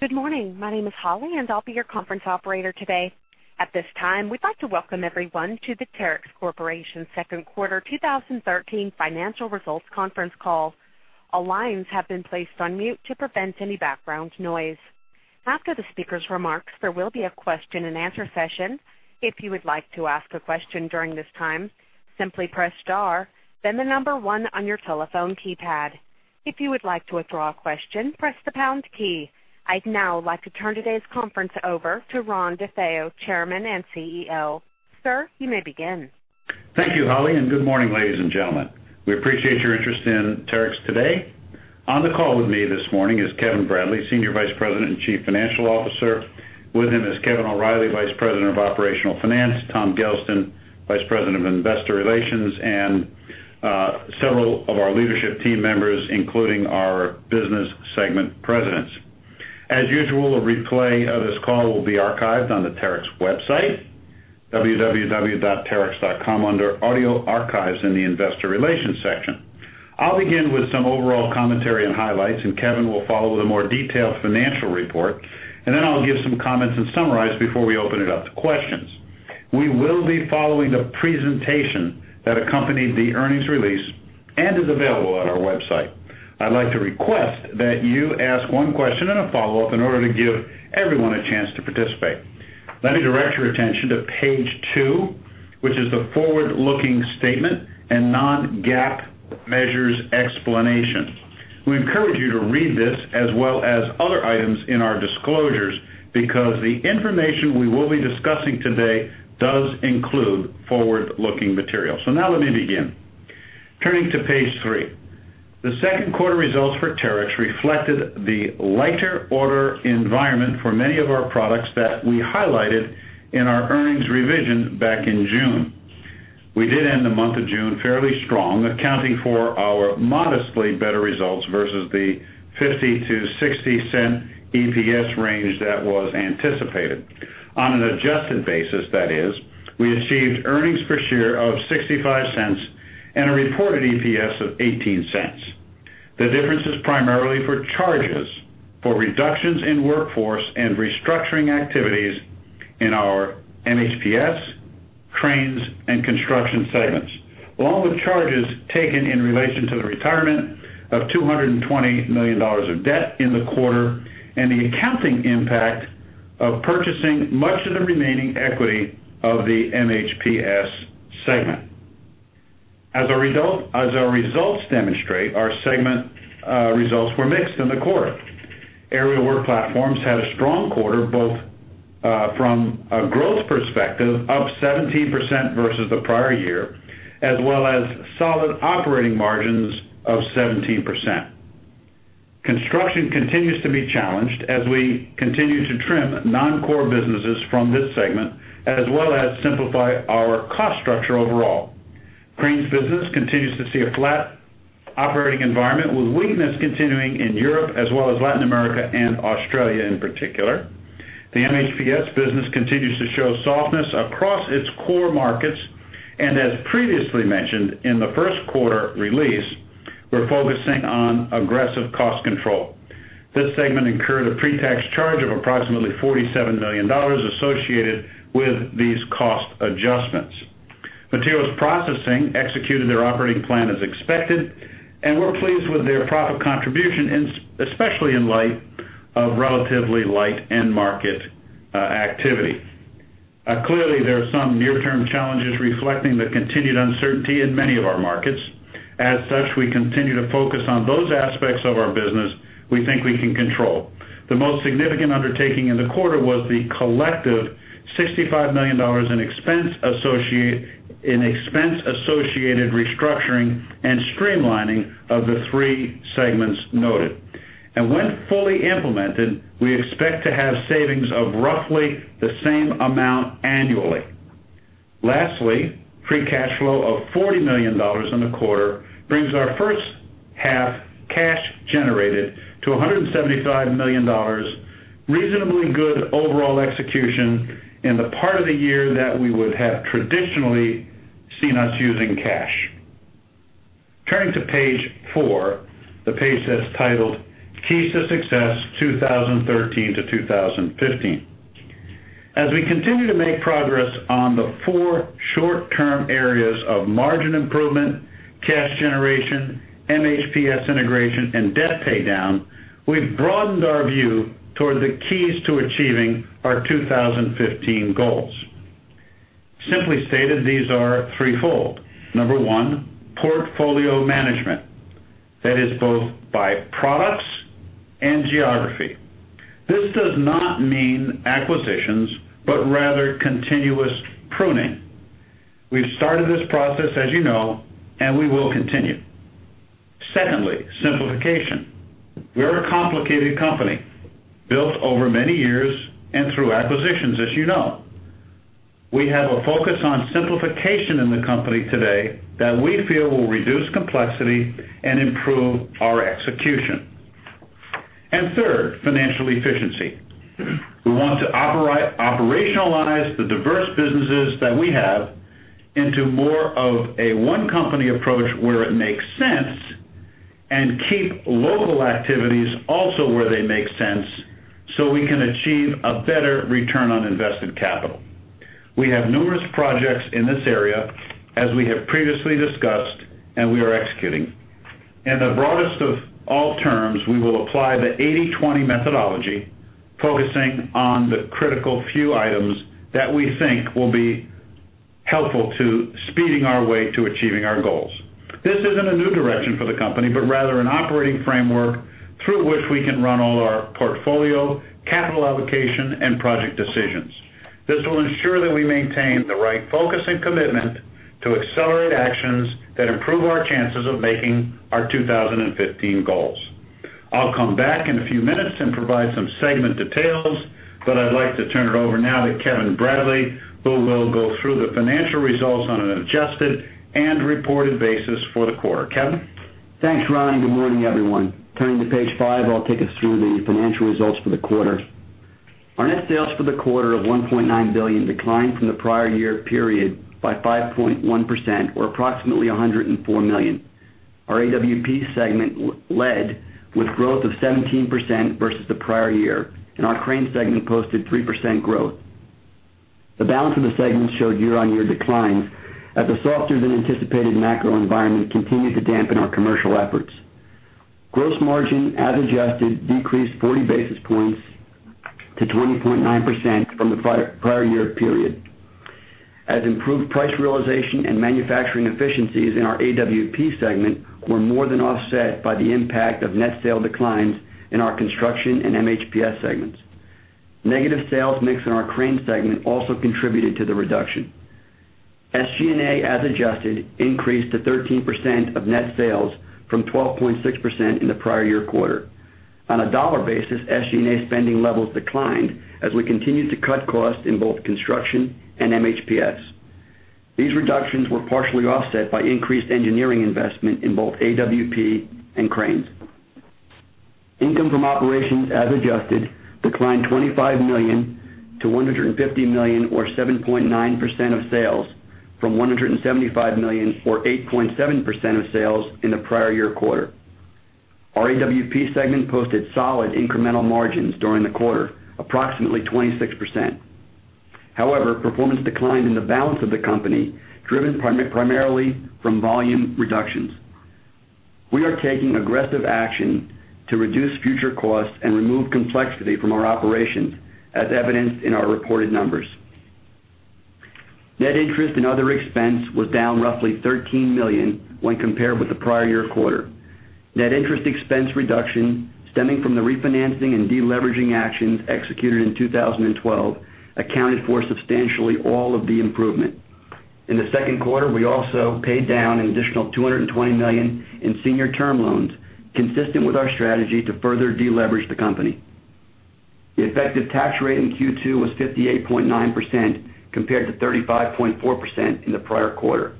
Good morning. My name is Holly, and I'll be your conference operator today. At this time, we'd like to welcome everyone to the Terex Corporation Second Quarter 2013 Financial Results Conference Call. All lines have been placed on mute to prevent any background noise. After the speaker's remarks, there will be a question-and-answer session. If you would like to ask a question during this time, simply press star, then 1 on your telephone keypad. If you would like to withdraw a question, press the pound key. I'd now like to turn today's conference over to Ronald DeFeo, Chairman and CEO. Sir, you may begin. Thank you, Holly, and good morning, ladies and gentlemen. We appreciate your interest in Terex today. On the call with me this morning is Kevin Bradley, Senior Vice President and Chief Financial Officer. With him is Kevin O'Reilly, Vice President of Operational Finance, Tom Gelston, Vice President of Investor Relations, and several of our leadership team members, including our business segment presidents. As usual, a replay of this call will be archived on the Terex website, www.terex.com, under Audio Archives in the Investor Relations section. I'll begin with some overall commentary and highlights, Kevin will follow with a more detailed financial report. Then I'll give some comments and summarize before we open it up to questions. We will be following the presentation that accompanied the earnings release and is available on our website. I'd like to request that you ask one question and a follow-up in order to give everyone a chance to participate. Let me direct your attention to page two, which is the forward-looking statement and non-GAAP measures explanation. We encourage you to read this as well as other items in our disclosures because the information we will be discussing today does include forward-looking material. Now let me begin. Turning to page three. The second quarter results for Terex reflected the lighter order environment for many of our products that we highlighted in our earnings revision back in June. We did end the month of June fairly strong, accounting for our modestly better results versus the $0.50-$0.60 EPS range that was anticipated. On an adjusted basis, that is, we achieved earnings per share of $0.65 and a reported EPS of $0.18. The difference is primarily for charges for reductions in workforce and restructuring activities in our MHPS, Cranes, and Construction segments, along with charges taken in relation to the retirement of $220 million of debt in the quarter and the accounting impact of purchasing much of the remaining equity of the MHPS segment. As our results demonstrate, our segment results were mixed in the quarter. Aerial Work Platforms had a strong quarter, both from a growth perspective, up 17% versus the prior year, as well as solid operating margins of 17%. Construction continues to be challenged as we continue to trim non-core businesses from this segment as well as simplify our cost structure overall. Cranes business continues to see a flat operating environment, with weakness continuing in Europe as well as Latin America and Australia in particular. The MHPS business continues to show softness across its core markets. As previously mentioned in the first quarter release, we're focusing on aggressive cost control. This segment incurred a pre-tax charge of approximately $47 million associated with these cost adjustments. Materials Processing executed their operating plan as expected, and we're pleased with their profit contribution, especially in light of relatively light end market activity. Clearly, there are some near-term challenges reflecting the continued uncertainty in many of our markets. As such, we continue to focus on those aspects of our business we think we can control. The most significant undertaking in the quarter was the collective $65 million in expense associated restructuring and streamlining of the three segments noted. When fully implemented, we expect to have savings of roughly the same amount annually. Free cash flow of $40 million in the quarter brings our first half cash generated to $175 million, reasonably good overall execution in the part of the year that we would have traditionally seen us using cash. Turning to page four, the page that's titled Keys to Success 2013 to 2015. As we continue to make progress on the four short-term areas of margin improvement, cash generation, MHPS integration, and debt paydown, we've broadened our view toward the keys to achieving our 2015 goals. Simply stated, these are threefold. Number one, portfolio management. That is both by products and geography. This does not mean acquisitions, but rather continuous pruning. We've started this process, as you know, and we will continue. Secondly, simplification. We're a complicated company built over many years and through acquisitions, as you know. We have a focus on simplification in the company today that we feel will reduce complexity and improve our execution. Third, financial efficiency. We want to operationalize the diverse businesses that we have into more of a one company approach where it makes sense and keep local activities also where they make sense so we can achieve a better return on invested capital. We have numerous projects in this area, as we have previously discussed, and we are executing. In the broadest of all terms, we will apply the 80/20 methodology, focusing on the critical few items that we think will be helpful to speeding our way to achieving our goals. This isn't a new direction for the company, but rather an operating framework through which we can run all our portfolio, capital allocation, and project decisions. This will ensure that we maintain the right focus and commitment to accelerate actions that improve our chances of making our 2015 goals. I'll come back in a few minutes and provide some segment details, but I'd like to turn it over now to Kevin Bradley, who will go through the financial results on an adjusted and reported basis for the quarter. Kevin? Thanks, Ron. Good morning, everyone. Turning to page five, I'll take us through the financial results for the quarter. Our net sales for the quarter of $1.9 billion declined from the prior year period by 5.1%, or approximately $104 million. Our AWP segment led with growth of 17% versus the prior year, and our Cranes segment posted 3% growth. The balance of the segments showed year-over-year declines as the softer than anticipated macro environment continued to dampen our commercial efforts. Gross margin, as adjusted, decreased 40 basis points to 20.9% from the prior year period. Improved price realization and manufacturing efficiencies in our AWP segment were more than offset by the impact of net sale declines in our Construction and MHPS segments. Negative sales mix in our Cranes segment also contributed to the reduction. SG&A, as adjusted, increased to 13% of net sales from 12.6% in the prior year quarter. On a dollar basis, SG&A spending levels declined as we continued to cut costs in both Construction and MHPS. These reductions were partially offset by increased engineering investment in both AWP and Cranes. Income from operations, as adjusted, declined $25 million to $150 million or 7.9% of sales from $175 million or 8.7% of sales in the prior year quarter. Our AWP segment posted solid incremental margins during the quarter, approximately 26%. However, performance declined in the balance of the company, driven primarily from volume reductions. We are taking aggressive action to reduce future costs and remove complexity from our operations, as evidenced in our reported numbers. Net interest and other expense was down roughly $13 million when compared with the prior year quarter. Net interest expense reduction stemming from the refinancing and de-leveraging actions executed in 2012 accounted for substantially all of the improvement. In the second quarter, we also paid down an additional $220 million in senior term loans consistent with our strategy to further de-leverage the company. The effective tax rate in Q2 was 58.9% compared to 35.4% in the prior quarter.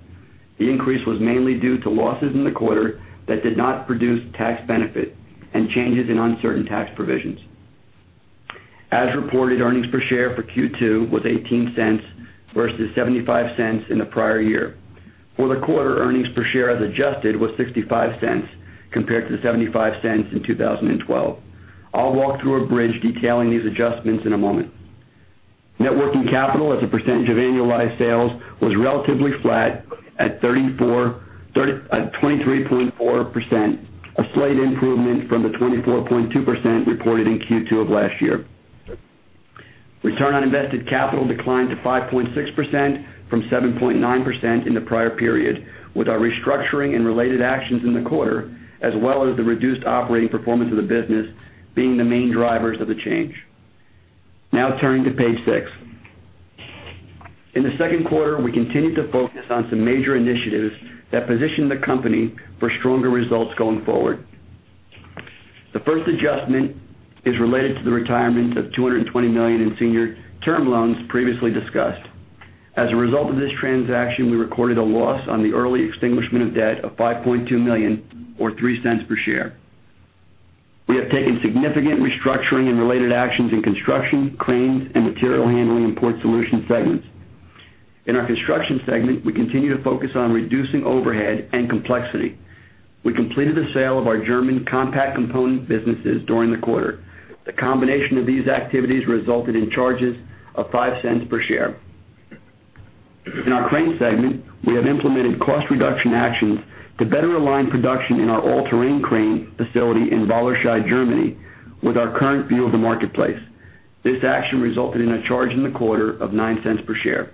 The increase was mainly due to losses in the quarter that did not produce tax benefit and changes in uncertain tax provisions. As reported, earnings per share for Q2 was $0.18 versus $0.75 in the prior year. For the quarter, earnings per share as adjusted was $0.65 compared to $0.75 in 2012. I'll walk through a bridge detailing these adjustments in a moment. Net working capital as a percentage of annualized sales was relatively flat at 23.4%, a slight improvement from the 24.2% reported in Q2 of last year. Return on invested capital declined to 5.6% from 7.9% in the prior period, with our restructuring and related actions in the quarter, as well as the reduced operating performance of the business, being the main drivers of the change. Now turning to page six. In the second quarter, we continued to focus on some major initiatives that position the company for stronger results going forward. The first adjustment is related to the retirement of $220 million in senior term loans previously discussed. As a result of this transaction, we recorded a loss on the early extinguishment of debt of $5.2 million or $0.03 per share. We have taken significant restructuring and related actions in Construction, Cranes, and Material Handling and Port Solutions segments. In our Construction segment, we continue to focus on reducing overhead and complexity. We completed the sale of our German Compact Components businesses during the quarter. The combination of these activities resulted in charges of $0.05 per share. In our Cranes segment, we have implemented cost reduction actions to better align production in our all-terrain crane facility in Wallerscheid, Germany, with our current view of the marketplace. This action resulted in a charge in the quarter of $0.09 per share.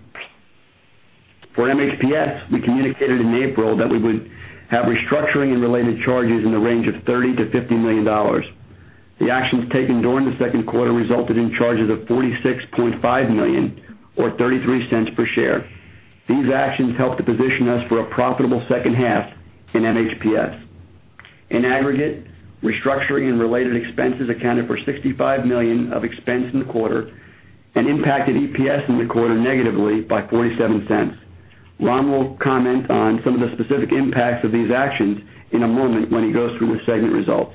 For MHPS, we communicated in April that we would have restructuring and related charges in the range of $30 million to $50 million. The actions taken during the second quarter resulted in charges of $46.5 million or $0.33 per share. These actions help to position us for a profitable second half in MHPS. In aggregate, restructuring and related expenses accounted for $65 million of expense in the quarter and impacted EPS in the quarter negatively by $0.47. Ron will comment on some of the specific impacts of these actions in a moment when he goes through the segment results.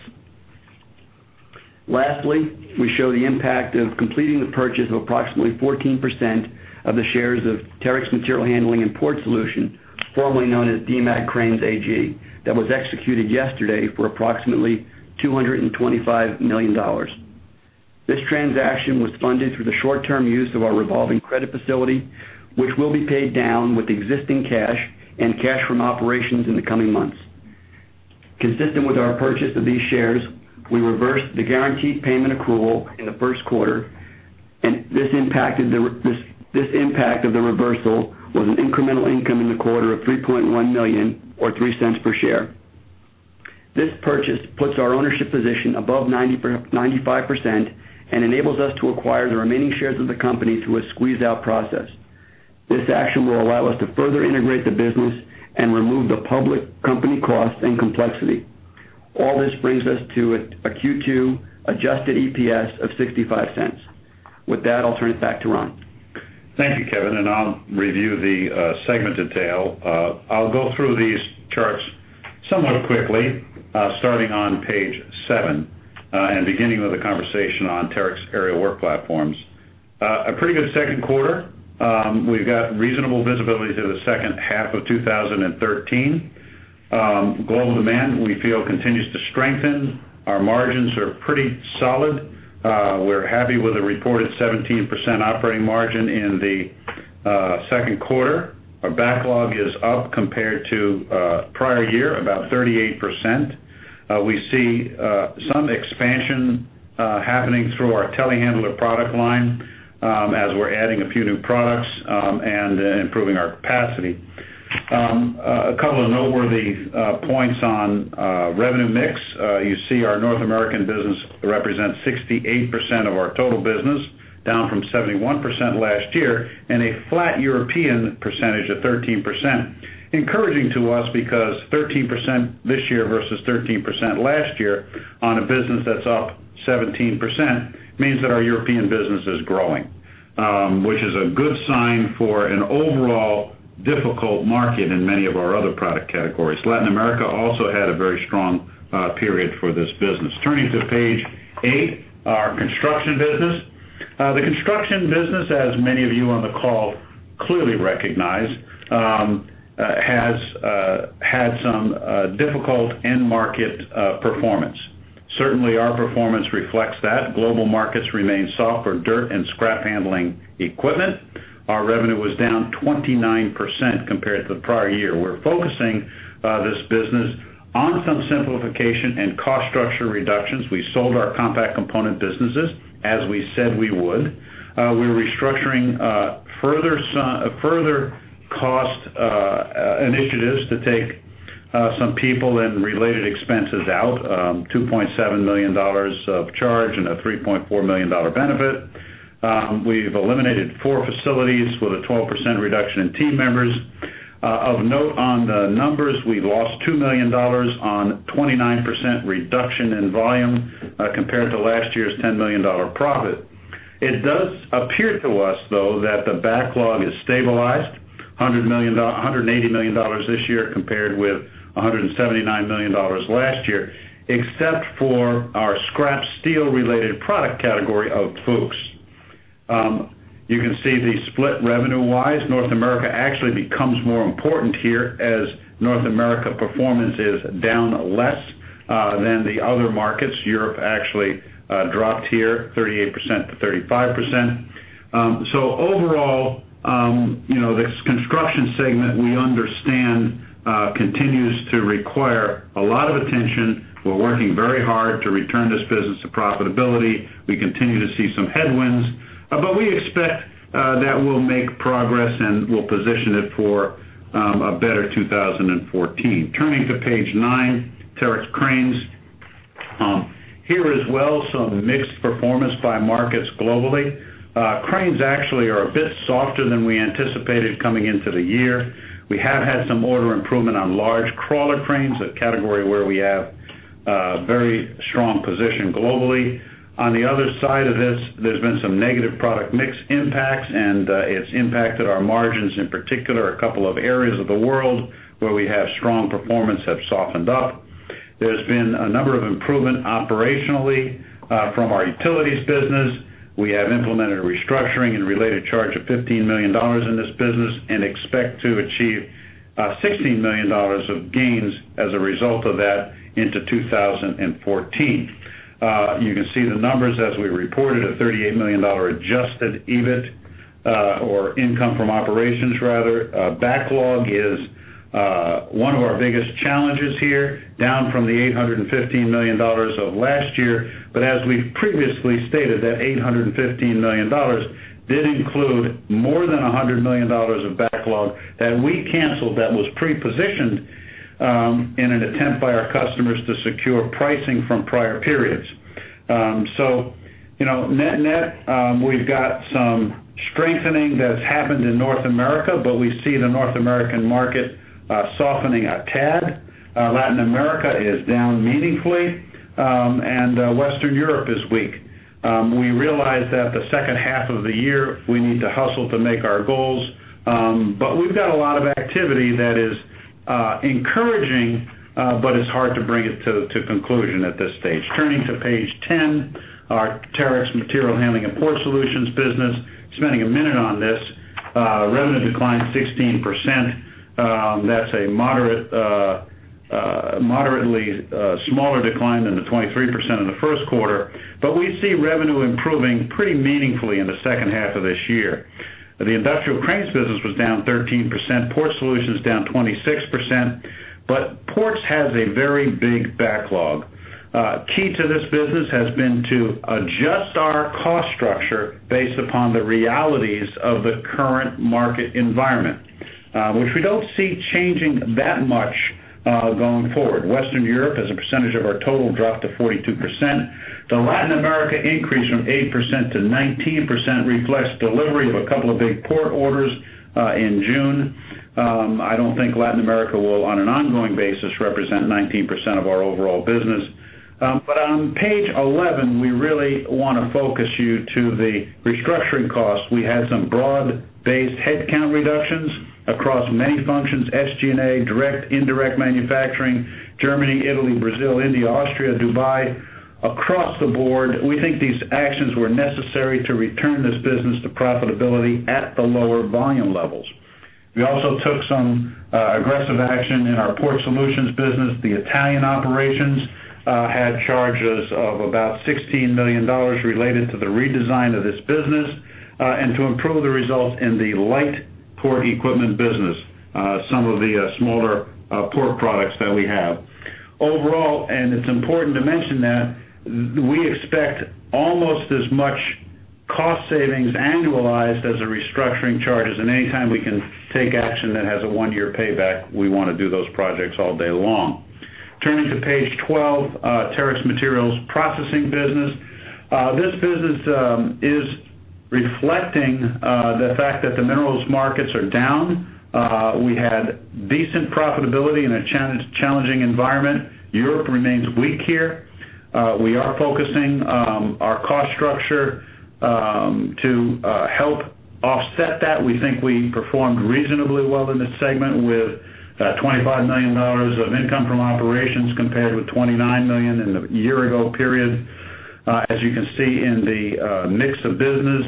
Lastly, we show the impact of completing the purchase of approximately 14% of the shares of Terex Material Handling & Port Solutions, formerly known as Demag Cranes AG. That was executed yesterday for approximately $225 million. This transaction was funded through the short-term use of our revolving credit facility, which will be paid down with existing cash and cash from operations in the coming months. Consistent with our purchase of these shares, we reversed the guaranteed payment accrual in the first quarter, and this impact of the reversal was an incremental income in the quarter of $3.1 million or $0.03 per share. This purchase puts our ownership position above 95% and enables us to acquire the remaining shares of the company through a squeeze-out process. This action will allow us to further integrate the business and remove the public company cost and complexity. All this brings us to a Q2 adjusted EPS of $0.65. With that, I'll turn it back to Ron. Thank you, Kevin. I'll review the segment detail. I'll go through these charts somewhat quickly, starting on page seven, and beginning with a conversation on Terex Aerial Work Platforms. A pretty good second quarter. We've got reasonable visibility through the second half of 2013. Global demand, we feel, continues to strengthen. Our margins are pretty solid. We're happy with the reported 17% operating margin in the second quarter. Our backlog is up compared to prior year, about 38%. We see some expansion happening through our telehandler product line as we're adding a few new products and improving our capacity. A couple of noteworthy points on revenue mix. You see our North American business represents 68% of our total business, down from 71% last year, and a flat European percentage of 13%. Encouraging to us because 13% this year versus 13% last year on a business that's up 17% means that our European business is growing, which is a good sign for an overall difficult market in many of our other product categories. Latin America also had a very strong period for this business. Turning to page eight, our construction business. The construction business, as many of you on the call clearly recognize, has had some difficult end-market performance. Certainly, our performance reflects that. Global markets remain soft for dirt and scrap handling equipment. Our revenue was down 29% compared to the prior year. We're focusing this business on some simplification and cost structure reductions. We sold our Compact Components businesses, as we said we would. We're restructuring further cost initiatives to take some people and related expenses out, $2.7 million of charge and a $3.4 million benefit. We've eliminated four facilities with a 12% reduction in team members. Of note on the numbers, we lost $2 million on 29% reduction in volume compared to last year's $10 million profit. It does appear to us, though, that the backlog is stabilized, $180 million this year compared with $179 million last year, except for our scrap steel-related product category of Fuchs. You can see the split revenue-wise. North America actually becomes more important here as North America performance is down less than the other markets. Europe actually dropped here 38% to 35%. Overall, this construction segment, we understand, continues to require a lot of attention. We're working very hard to return this business to profitability. We continue to see some headwinds, but we expect that we'll make progress, and we'll position it for a better 2014. Turning to page nine, Terex Cranes. Here as well, some mixed performance by markets globally. Cranes actually are a bit softer than we anticipated coming into the year. We have had some order improvement on large crawler cranes, a category where we have a very strong position globally. On the other side of this, there's been some negative product mix impacts, and it's impacted our margins. In particular, a couple of areas of the world where we have strong performance have softened up. There's been a number of improvement operationally from our utilities business. We have implemented a restructuring and related charge of $15 million in this business and expect to achieve $16 million of gains as a result of that into 2014. You can see the numbers as we reported a $38 million adjusted EBIT or income from operations, rather. Backlog is one of our biggest challenges here, down from the $815 million of last year. As we've previously stated, that $815 million did include more than $100 million of backlog that we canceled that was pre-positioned in an attempt by our customers to secure pricing from prior periods. Net, we've got some strengthening that's happened in North America, but we see the North American market softening a tad. Latin America is down meaningfully, and Western Europe is weak. We realize that the second half of the year, we need to hustle to make our goals. We've got a lot of activity that is encouraging, but it's hard to bring it to conclusion at this stage. Turning to page 10, our Terex Material Handling & Port Solutions business. Spending a minute on this. Revenue declined 16%. That's a moderately smaller decline than the 23% in the first quarter. We see revenue improving pretty meaningfully in the second half of this year. The industrial cranes business was down 13%, Port Solutions down 26%. Ports has a very big backlog. Key to this business has been to adjust our cost structure based upon the realities of the current market environment, which we don't see changing that much going forward. Western Europe, as a percentage of our total, dropped to 42%. The Latin America increase from 8% to 19% reflects delivery of a couple of big Port orders in June. I don't think Latin America will, on an ongoing basis, represent 19% of our overall business. On page 11, we really want to focus you to the restructuring costs. We had some broad-based headcount reductions across many functions: SG&A, direct, indirect manufacturing, Germany, Italy, Brazil, India, Austria, Dubai. Across the board, we think these actions were necessary to return this business to profitability at the lower volume levels. We also took some aggressive action in our Port Solutions business. The Italian operations had charges of about $16 million related to the redesign of this business and to improve the results in the light port equipment business, some of the smaller port products that we have. Overall, it's important to mention that we expect almost as much cost savings annualized as the restructuring charges. Anytime we can take action that has a one-year payback, we want to do those projects all day long. Turning to page 12, Terex Materials Processing business. This business is reflecting the fact that the minerals markets are down. We had decent profitability in a challenging environment. Europe remains weak here. We are focusing our cost structure to help offset that. We think we performed reasonably well in this segment with $25 million of income from operations compared with $29 million in the year-ago period. As you can see in the mix of business,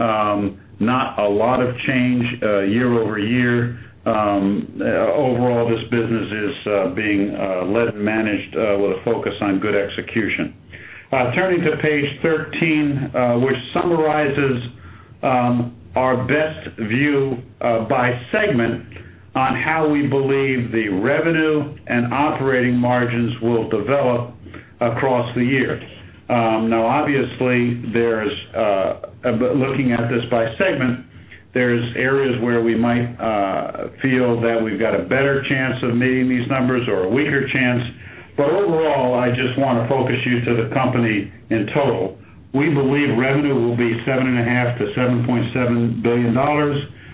not a lot of change year-over-year. Overall, this business is being led and managed with a focus on good execution. Turning to page 13, which summarizes our best view by segment on how we believe the revenue and operating margins will develop across the year. Obviously, looking at this by segment, there's areas where we might feel that we've got a better chance of meeting these numbers or a weaker chance. Overall, I just want to focus you to the company in total. We believe revenue will be $7.5 billion-$7.7 billion,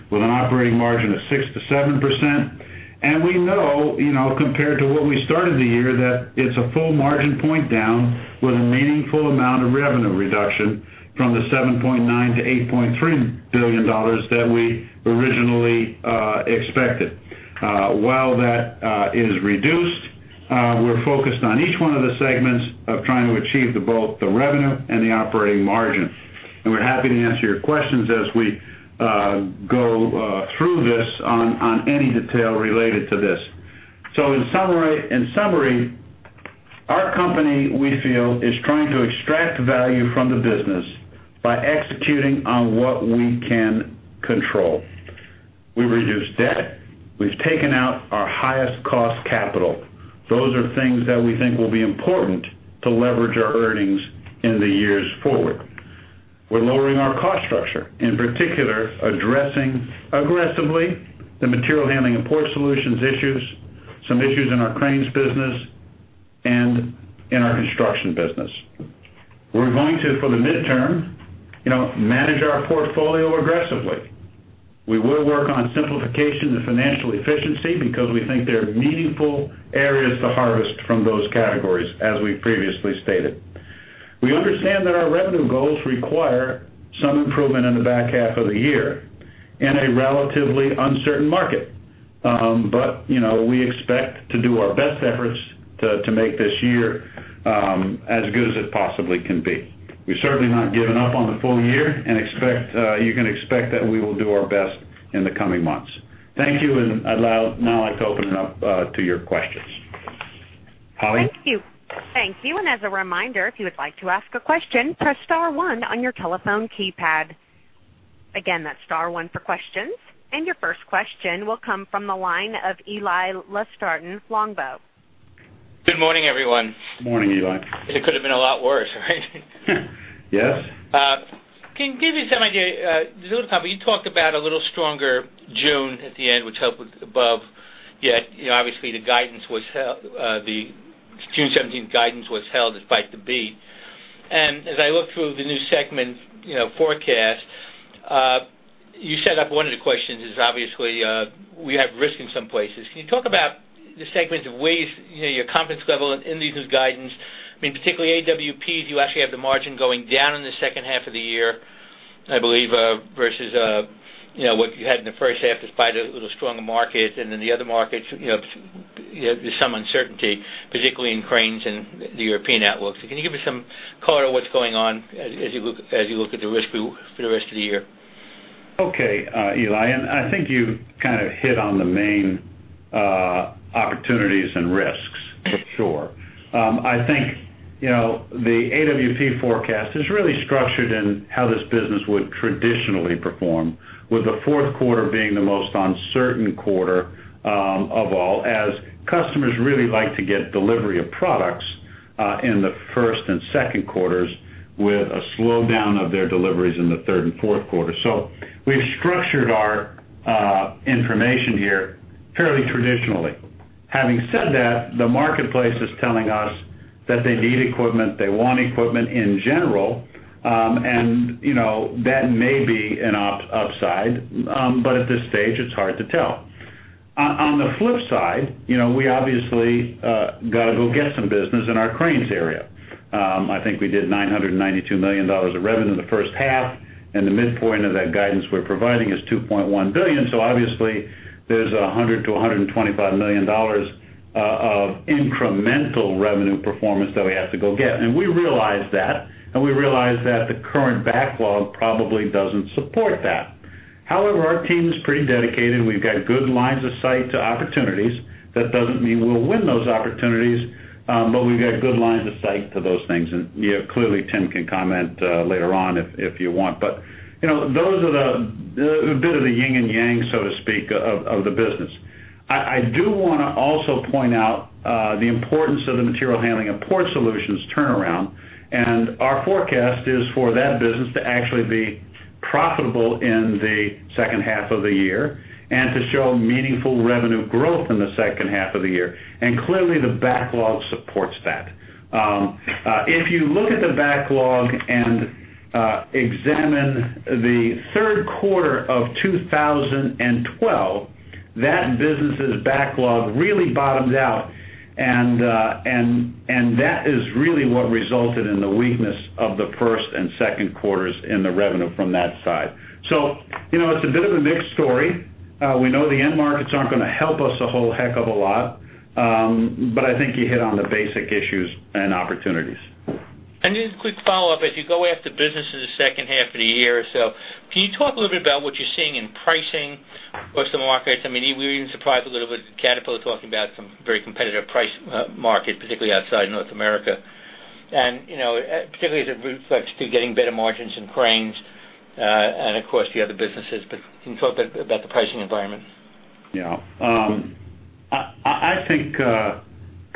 with an operating margin of 6%-7%. We know, compared to what we started the year, that it's a full margin point down with a meaningful amount of revenue reduction from the $7.9 billion-$8.3 billion that we originally expected. While that is reduced, we're focused on each one of the segments of trying to achieve both the revenue and the operating margin. We're happy to answer your questions as we go through this on any detail related to this. In summary, our company, we feel, is trying to extract value from the business by executing on what we can control. We reduced debt. We've taken out our highest cost capital. Those are things that we think will be important to leverage our earnings in the years forward. We're lowering our cost structure, in particular, addressing aggressively the Material Handling and Port Solutions issues, some issues in our Cranes business and in our Construction business. We're going to, for the midterm, manage our portfolio aggressively. We will work on simplification and financial efficiency because we think there are meaningful areas to harvest from those categories, as we previously stated. We understand that our revenue goals require some improvement in the back half of the year in a relatively uncertain market. But we expect to do our best efforts to make this year as good as it possibly can be. We're certainly not giving up on the full year, and you can expect that we will do our best in the coming months. Thank you, and I'd now like to open it up to your questions. Holly? Thank you. As a reminder, if you would like to ask a question, press star one on your telephone keypad. Again, that's star one for questions. Your first question will come from the line of Eli Lustgarten, Longbow Research. Good morning, everyone. Good morning, Eli. It could have been a lot worse, right? Yes. Can you give me some idea, you talked about a little stronger June at the end, which helped with above, yet obviously the June 17th guidance was held despite the beat. As I look through the new segment forecast. You set up one of the questions is obviously, we have risk in some places. Can you talk about the segments of ways, your confidence level in these as guidance? Particularly AWP, you actually have the margin going down in the second half of the year, I believe, versus what you had in the first half, despite a little stronger market. Then the other markets, there's some uncertainty, particularly in cranes and the European networks. Can you give us some color on what's going on as you look at the risk for the rest of the year? Okay, Eli, I think you hit on the main opportunities and risks for sure. I think, the AWP forecast is really structured in how this business would traditionally perform, with the fourth quarter being the most uncertain quarter of all, as customers really like to get delivery of products in the first and second quarters, with a slowdown of their deliveries in the third and fourth quarter. We've structured our information here fairly traditionally. Having said that, the marketplace is telling us that they need equipment, they want equipment in general, and that may be an upside. At this stage, it's hard to tell. On the flip side, we obviously got to go get some business in our cranes area. I think we did $992 million of revenue in the first half, and the midpoint of that guidance we're providing is $2.1 billion. Obviously, there's $100 million-$125 million of incremental revenue performance that we have to go get. We realize that, and we realize that the current backlog probably doesn't support that. However, our team is pretty dedicated. We've got good lines of sight to opportunities. That doesn't mean we'll win those opportunities, but we've got good lines of sight to those things, and clearly, Tim can comment later on if you want. Those are the yin and yang, so to speak, of the business. I do want to also point out the importance of the material handling and port solutions turnaround, and our forecast is for that business to actually be profitable in the second half of the year and to show meaningful revenue growth in the second half of the year. Clearly, the backlog supports that. If you look at the backlog and examine the third quarter of 2012, that business's backlog really bottoms out, and that is really what resulted in the weakness of the first and second quarters in the revenue from that side. It's a bit of a mixed story. We know the end markets aren't going to help us a whole heck of a lot, but I think you hit on the basic issues and opportunities. A quick follow-up. As you go after business in the second half of the year or so, can you talk a little bit about what you're seeing in pricing across the markets? We were even surprised a little bit with Caterpillar talking about some very competitive price market, particularly outside North America, and particularly as it reflects to getting better margins in cranes, and of course, the other businesses. Can you talk about the pricing environment? Yeah. I think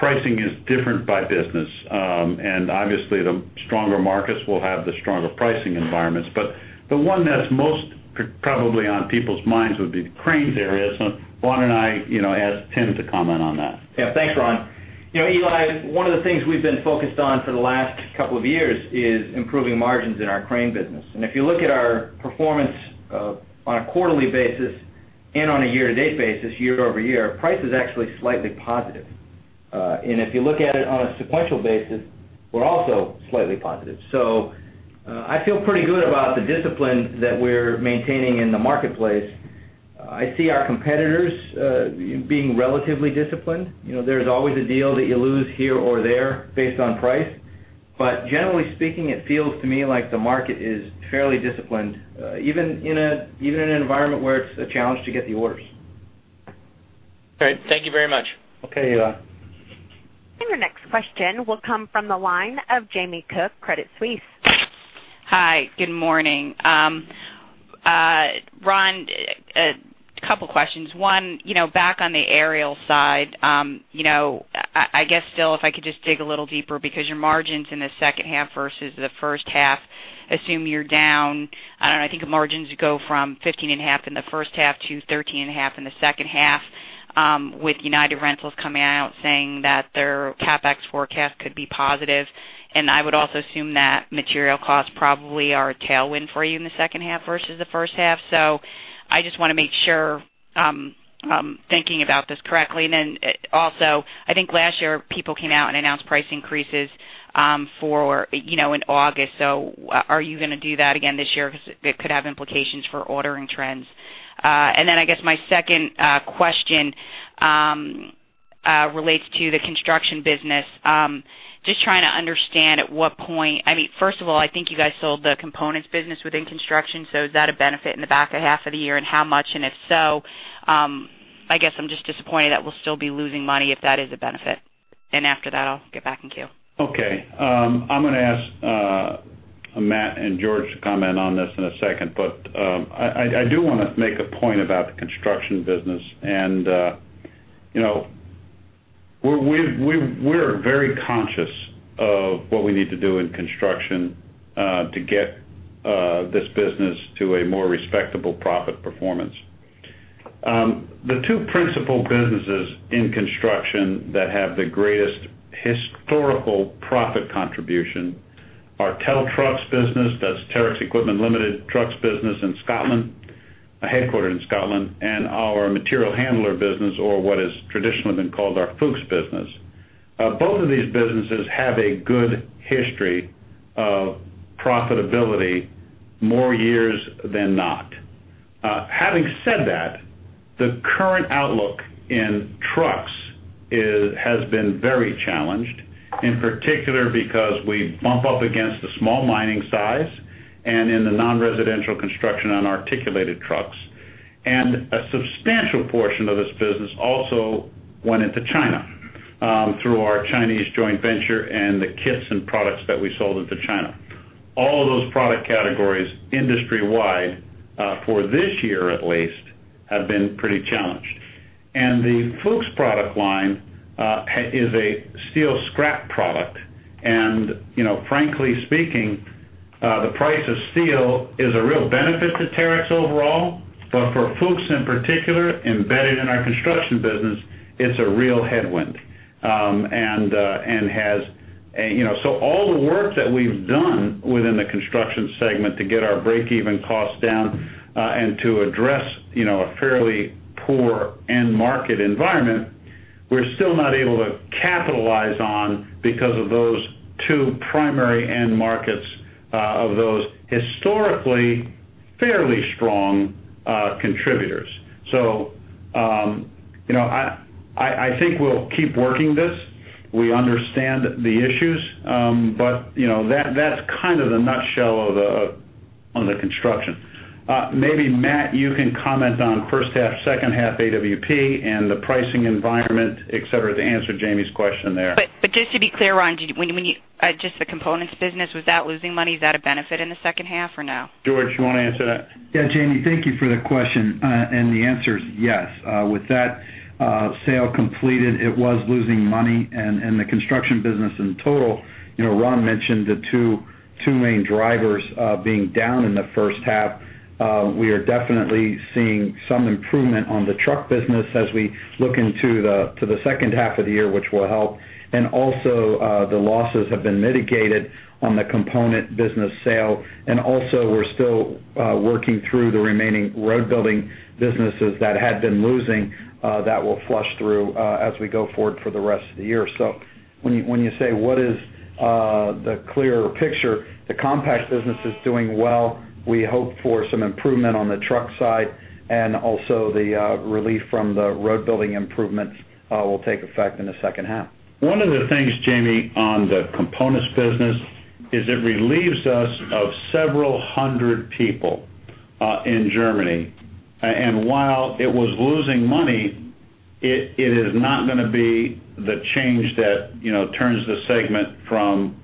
pricing is different by business, and obviously, the stronger markets will have the stronger pricing environments. The one that's most probably on people's minds would be the cranes area. Ron and I ask Tim to comment on that. Yeah. Thanks, Ron. Eli, one of the things we've been focused on for the last couple of years is improving margins in our crane business. If you look at our performance on a quarterly basis and on a year-to-date basis, year-over-year, price is actually slightly positive. If you look at it on a sequential basis, we're also slightly positive. I feel pretty good about the discipline that we're maintaining in the marketplace. I see our competitors being relatively disciplined. There's always a deal that you lose here or there based on price. Generally speaking, it feels to me like the market is fairly disciplined, even in an environment where it's a challenge to get the orders. Great. Thank you very much. Okay, Eli. Your next question will come from the line of Jamie Cook, Credit Suisse. Hi, good morning. Ron, a couple questions. One, back on the aerial side. I guess still, if I could just dig a little deeper, because your margins in the second half versus the first half assume you're down. I think margins go from 15.5% in the first half to 13.5% in the second half. With United Rentals coming out saying that their CapEx forecast could be positive, and I would also assume that material costs probably are a tailwind for you in the second half versus the first half. I just want to make sure I'm thinking about this correctly. Also, I think last year, people came out and announced price increases in August. Are you going to do that again this year? Because it could have implications for ordering trends. I guess my second question relates to the construction business. Just trying to understand at what point. First of all, I think you guys sold the components business within construction. Is that a benefit in the back half of the year, and how much? If so, I guess I'm just disappointed that we'll still be losing money if that is a benefit. After that, I'll get back in queue. Okay. I'm going to ask Matt and George to comment on this in a second. I do want to make a point about the construction business, and we're very conscious of what we need to do in construction to get this business to a more respectable profit performance. The two principal businesses in construction that have the greatest historical profit contribution are TEL Trucks business, that's Terex Equipment Limited Trucks business in Scotland, headquartered in Scotland, and our material handler business or what has traditionally been called our Fuchs business. Both of these businesses have a good history of profitability more years than not. Having said that, the current outlook in trucks has been very challenged, in particular because we bump up against the small mining size and in the non-residential construction on articulated trucks. A substantial portion of this business also went into China through our Chinese joint venture and the kits and products that we sold into China. All of those product categories industry-wide, for this year at least, have been pretty challenged. The Fuchs product line is a steel scrap product. Frankly speaking, the price of steel is a real benefit to Terex overall, but for Fuchs in particular, embedded in our construction business, it's a real headwind. All the work that we've done within the construction segment to get our breakeven costs down and to address a fairly poor end market environment, we're still not able to capitalize on because of those two primary end markets of those historically fairly strong contributors. I think we'll keep working this. We understand the issues. That's the nutshell of the construction. Maybe, Matt, you can comment on first half, second half AWP and the pricing environment, et cetera, to answer Jamie's question there. just to be clear, Ron, just the components business, was that losing money? Is that a benefit in the second half or no? George, you want to answer that? Jamie, thank you for the question. The answer is yes. With that sale completed, it was losing money in the construction business in total. Ron mentioned the two main drivers being down in the first half. We are definitely seeing some improvement on the truck business as we look into the second half of the year, which will help, the losses have been mitigated on the component business sale. We're still working through the remaining road building businesses that had been losing, that will flush through as we go forward for the rest of the year. When you say what is the clearer picture, the compact business is doing well. We hope for some improvement on the truck side, the relief from the road building improvements will take effect in the second half. One of the things, Jamie, on the components business is it relieves us of several hundred people in Germany. While it was losing money, it is not going to be the change that turns the segment from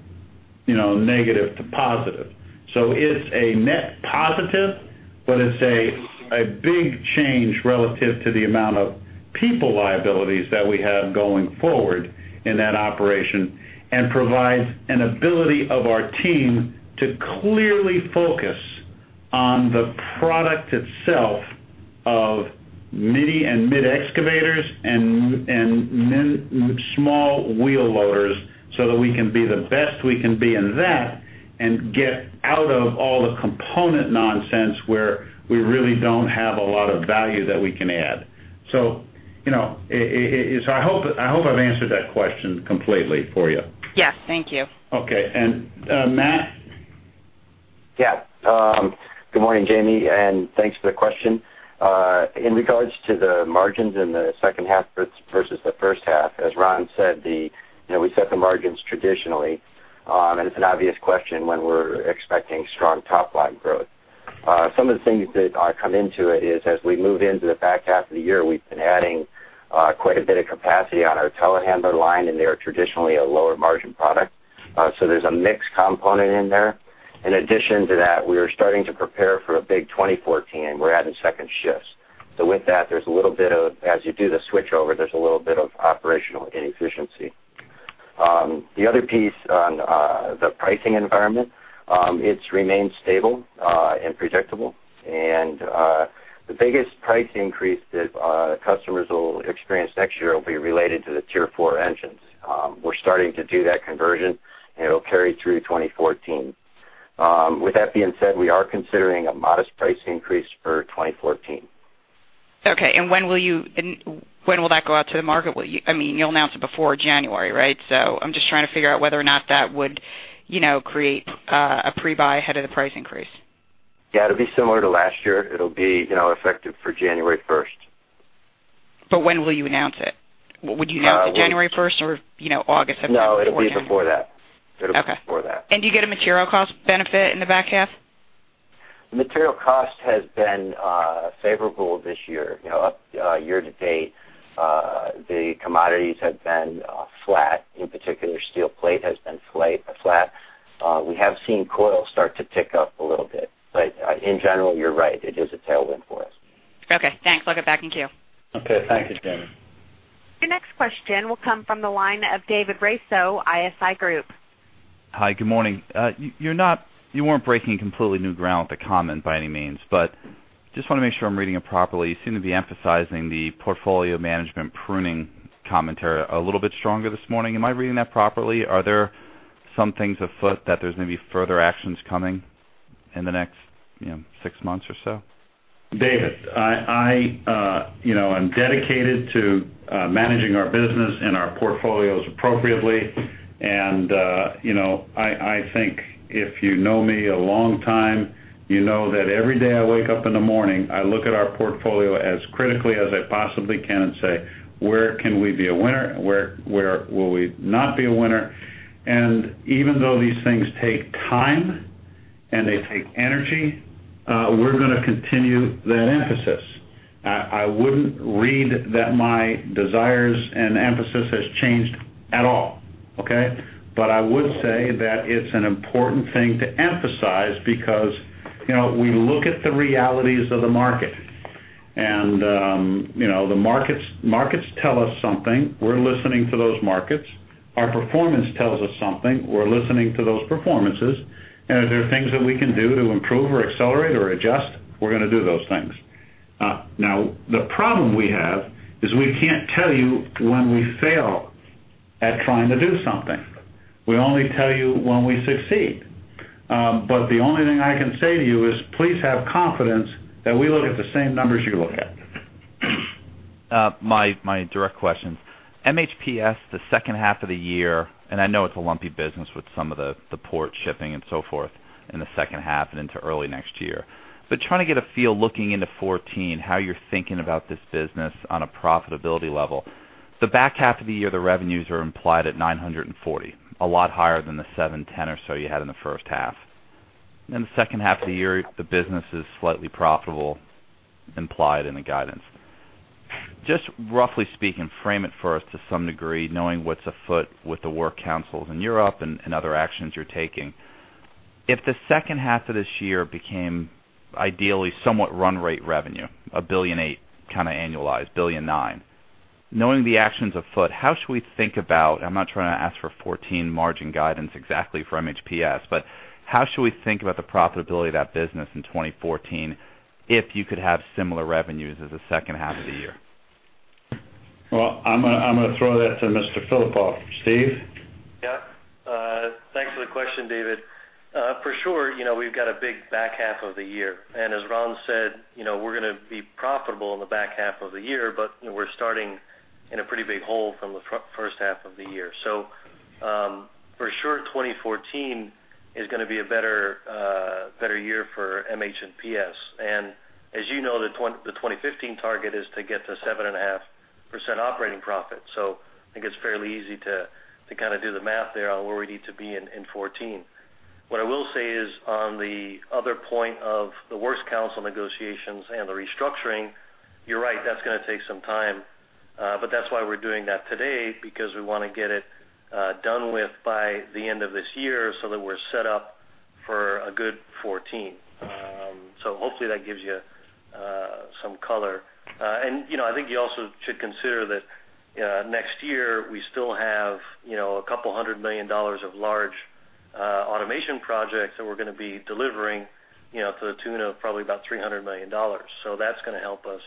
negative to positive. It's a net positive, but it's a big change relative to the amount of people liabilities that we have going forward in that operation and provides an ability of our team to clearly focus on the product itself of mini and mid excavators and small wheel loaders that we can be the best we can be in that and get out of all the component nonsense where we really don't have a lot of value that we can add. I hope I've answered that question completely for you. Yes. Thank you. Okay. Matt? Yeah. Good morning, Jamie, and thanks for the question. In regards to the margins in the second half versus the first half, as Ron said, we set the margins traditionally. It's an obvious question when we're expecting strong top-line growth. Some of the things that come into it is as we move into the back half of the year, we've been adding quite a bit of capacity on our telehandler line, and they are traditionally a lower margin product. There's a mix component in there. In addition to that, we are starting to prepare for a big 2014. We're adding second shifts. With that, as you do the switchover, there's a little bit of operational inefficiency. The other piece on the pricing environment, it's remained stable and predictable. The biggest price increase that customers will experience next year will be related to the Tier 4 engines. We're starting to do that conversion, and it'll carry through 2014. With that being said, we are considering a modest price increase for 2014. Okay. When will that go out to the market? You'll announce it before January, right? I'm just trying to figure out whether or not that would create a pre-buy ahead of the price increase. Yeah, it'll be similar to last year. It'll be effective for January 1st. When will you announce it? Would you announce it January 1st or August of this year? No, it'll be before that. Okay. It'll be before that. Do you get a material cost benefit in the back half? The material cost has been favorable this year. Up year to date, the commodities have been flat. In particular, steel plate has been flat. We have seen coil start to tick up a little bit. In general, you're right, it is a tailwind for us. Okay. Thanks. I'll get back in queue. Okay. Thank you, Jamie. Your next question will come from the line of David Raso, ISI Group. Hi, good morning. You weren't breaking completely new ground with the comment by any means, just want to make sure I'm reading it properly. You seem to be emphasizing the portfolio management pruning commentary a little bit stronger this morning. Am I reading that properly? Are there some things afoot that there's going to be further actions coming in the next six months or so? David, I'm dedicated to managing our business and our portfolios appropriately. I think if you know me a long time, you know that every day I wake up in the morning, I look at our portfolio as critically as I possibly can and say, "Where can we be a winner? Where will we not be a winner?" Even though these things take time and they take energy, we're going to continue that emphasis. I wouldn't read that my desires and emphasis has changed at all, okay? I would say that it's an important thing to emphasize because we look at the realities of the market. The markets tell us something. We're listening to those markets. Our performance tells us something. We're listening to those performances. If there are things that we can do to improve or accelerate or adjust, we're going to do those things. The problem we have is we can't tell you when we fail at trying to do something. We only tell you when we succeed. The only thing I can say to you is please have confidence that we look at the same numbers you look at. My direct questions. MHPS, the second half of the year, I know it's a lumpy business with some of the port shipping and so forth in the second half and into early next year. Trying to get a feel looking into 2014, how you're thinking about this business on a profitability level. The back half of the year, the revenues are implied at $940, a lot higher than the $710 or so you had in the first half. In the second half of the year, the business is slightly profitable, implied in the guidance. Just roughly speaking, frame it for us to some degree, knowing what's afoot with the work councils in Europe and other actions you're taking. If the second half of this year became ideally somewhat run rate revenue, $1.8 billion-$1.9 billion kind of annualized. Knowing the actions afoot, how should we think about, I'm not trying to ask for 2014 margin guidance exactly for MHPS, but how should we think about the profitability of that business in 2014 if you could have similar revenues as the second half of the year? I'm going to throw that to Mr. Filipov. Steve? Yeah. Thanks for the question, David. For sure, we've got a big back half of the year. As Ron said, we're going to be profitable in the back half of the year, we're starting in a pretty big hole from the first half of the year. For sure, 2014 is going to be a better year for MH and PS. As you know, the 2015 target is to get to 7.5% operating profit. I think it's fairly easy to kind of do the math there on where we need to be in 2014. What I will say is on the other point of the works council negotiations and the restructuring, you're right, that's going to take some time. That's why we're doing that today, because we want to get it done with by the end of this year so that we're set up for a good 2014. Hopefully that gives you some color. I think you also should consider that next year, we still have about $200 million of large automation projects that we're going to be delivering to the tune of probably about $300 million. That's going to help us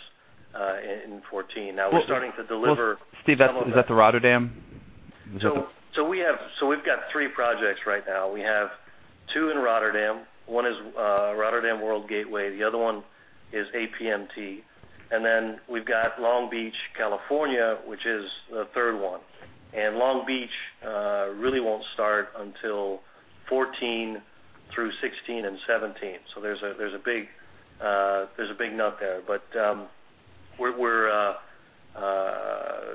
in 2014. Now we're starting to deliver- Steve, is that the Rotterdam? We've got three projects right now. We have two in Rotterdam. One is Rotterdam World Gateway, the other one is APMT. We've got Long Beach, California, which is the third one. Long Beach really won't start until 2014 through 2016 and 2017. There's a big book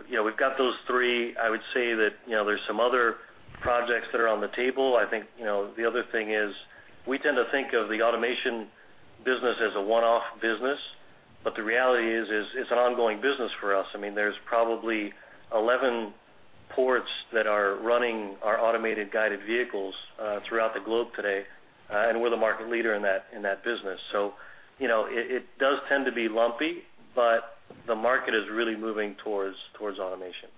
there. We've got those three. I would say that there's some other projects that are on the table. I think the other thing is we tend to think of the automation business as a one-off business. The reality is it's an ongoing business for us. There's probably 11 ports that are running our automated guided vehicles throughout the globe today. We're the market leader in that business. It does tend to be lumpy, but the market is really moving towards automation.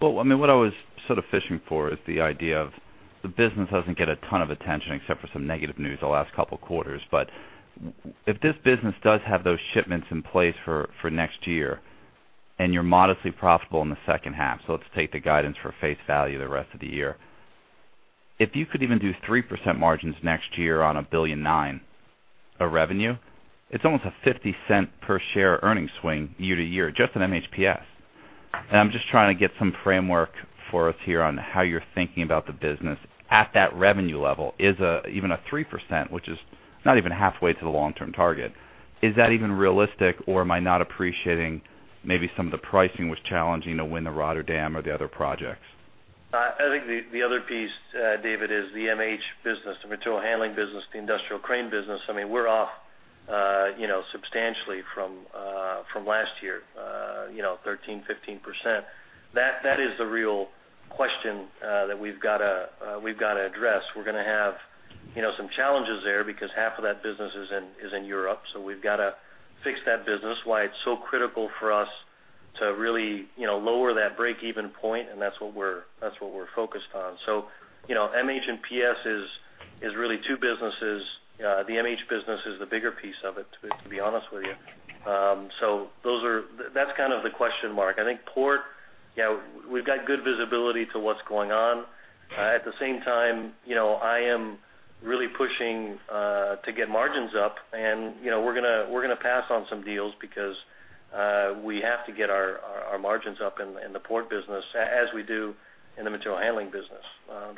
Well, what I was sort of fishing for is the idea of the business doesn't get a ton of attention except for some negative news the last couple of quarters. If this business does have those shipments in place for next year, and you're modestly profitable in the second half, let's take the guidance for face value the rest of the year. If you could even do 3% margins next year on $1.9 billion of revenue, it's almost a $0.50 per share earnings swing year to year, just in MHPS. I'm just trying to get some framework for us here on how you're thinking about the business at that revenue level. Even a 3%, which is not even halfway to the long-term target, is that even realistic or am I not appreciating maybe some of the pricing was challenging to win the Rotterdam or the other projects? I think the other piece, David, is the MH business, the material handling business, the industrial crane business. We're off substantially from last year, 13%-15%. That is the real question that we've got to address. We're going to have some challenges there because half of that business is in Europe, so we've got to fix that business. Why it's so critical for us to really lower that break-even point, and that's what we're focused on. MH and PS is really two businesses. The MH business is the bigger piece of it, to be honest with you. That's kind of the question mark. I think port, we've got good visibility to what's going on. At the same time, I am really pushing to get margins up. We're going to pass on some deals because we have to get our margins up in the port business, as we do in the material handling business.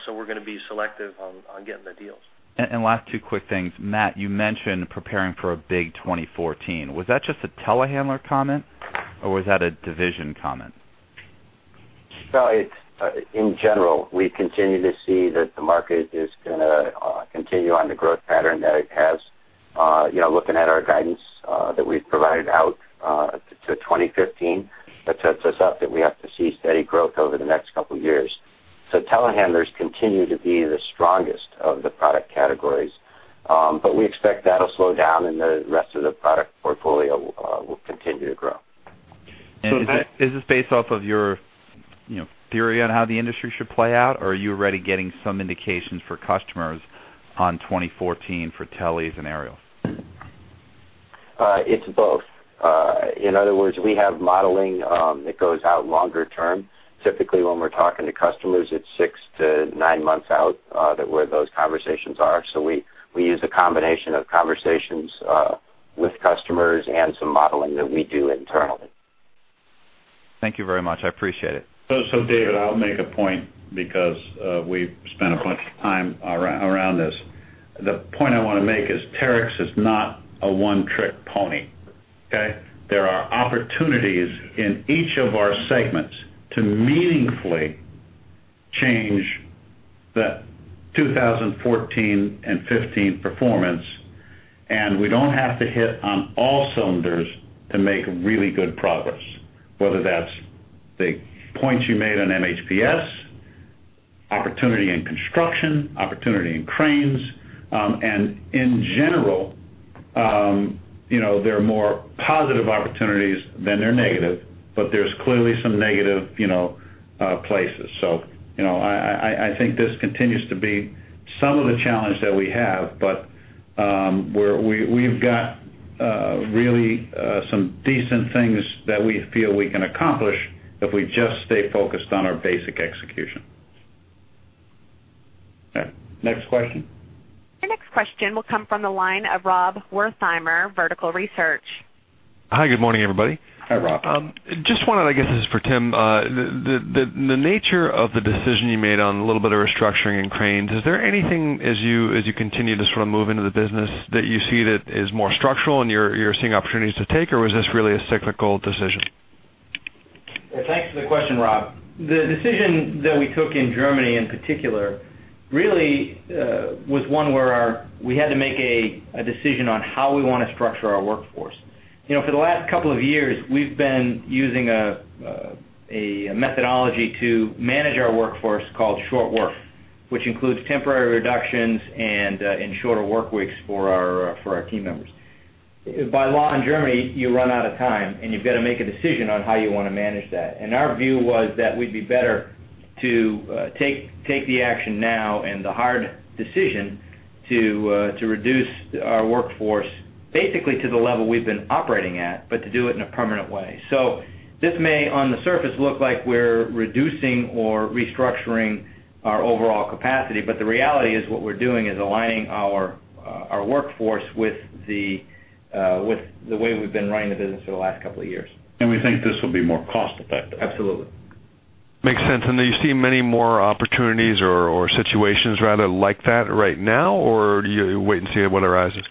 We're going to be selective on getting the deals. Last two quick things. Matt, you mentioned preparing for a big 2014. Was that just a telehandler comment, or was that a division comment? In general, we continue to see that the market is going to continue on the growth pattern that it has. Looking at our guidance that we've provided out to 2015, that sets us up that we have to see steady growth over the next couple of years. Telehandlers continue to be the strongest of the product categories. We expect that'll slow down and the rest of the product portfolio will continue to grow. Is this based off of your theory on how the industry should play out, or are you already getting some indications for customers on 2014 for teles and aerials? It's both. In other words, we have modeling that goes out longer term. Typically, when we're talking to customers, it's six to nine months out where those conversations are. We use a combination of conversations with customers and some modeling that we do internally. Thank you very much. I appreciate it. David, I'll make a point because we've spent a bunch of time around this. The point I want to make is Terex is not a one-trick pony, okay? There are opportunities in each of our segments to meaningfully change the 2014 and 2015 performance, and we don't have to hit on all cylinders to make really good progress. Whether that's the points you made on MHPS, opportunity in construction, opportunity in cranes, and in general, there are more positive opportunities than there are negative, but there's clearly some negative places. I think this continues to be some of the challenge that we have, but we've got really some decent things that we feel we can accomplish if we just stay focused on our basic execution. Okay, next question. Your next question will come from the line of Rob Wertheimer, Vertical Research. Hi, good morning, everybody. Hi, Rob. I guess this is for Tim, the nature of the decision you made on a little bit of restructuring in Cranes. Is there anything as you continue to sort of move into the business that you see that is more structural and you're seeing opportunities to take, or was this really a cyclical decision? Thanks for the question, Rob. The decision that we took in Germany in particular really was one where we had to make a decision on how we want to structure our workforce. For the last couple of years, we've been using a methodology to manage our workforce called short work, which includes temporary reductions and shorter work weeks for our team members. By law in Germany, you run out of time, and you've got to make a decision on how you want to manage that. Our view was that we'd be better to take the action now and the hard decision to reduce our workforce basically to the level we've been operating at, but to do it in a permanent way. This may, on the surface, look like we're reducing or restructuring our overall capacity. The reality is what we're doing is aligning our workforce with the way we've been running the business for the last couple of years. we think this will be more cost effective. Absolutely. Makes sense. Do you see many more opportunities or situations rather like that right now, or do you wait and see what arises?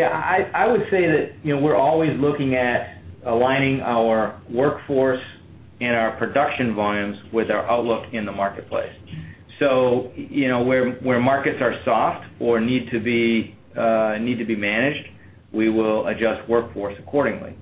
I would say that we're always looking at aligning our workforce and our production volumes with our outlook in the marketplace. Where markets are soft or need to be managed, we will adjust workforce accordingly.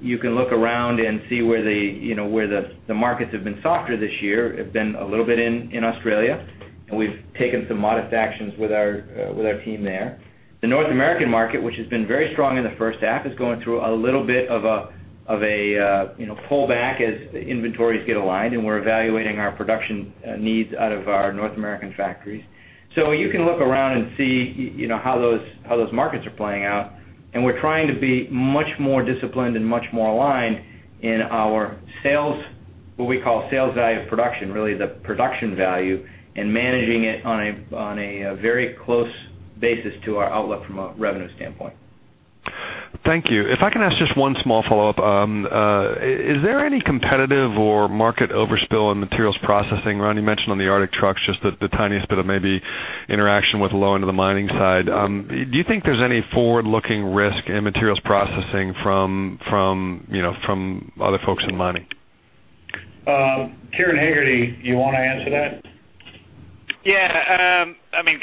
You can look around and see where the markets have been softer this year, have been a little bit in Australia, we've taken some modest actions with our team there. The North American market, which has been very strong in the first half, is going through a little bit of a pullback as inventories get aligned, we're evaluating our production needs out of our North American factories. You can look around and see how those markets are playing out, we're trying to be much more disciplined and much more aligned in our sales, what we call sales value of production, really the production value, managing it on a very close basis to our outlook from a revenue standpoint. Thank you. If I can ask just one small follow-up. Is there any competitive or market overspill in Materials Processing? Ron, you mentioned on the Arctic trucks, just the tiniest bit of maybe interaction with low end of the mining side. Do you think there's any forward-looking risk in Materials Processing from other folks in mining? Kieran Hegarty, you want to answer that? Yeah.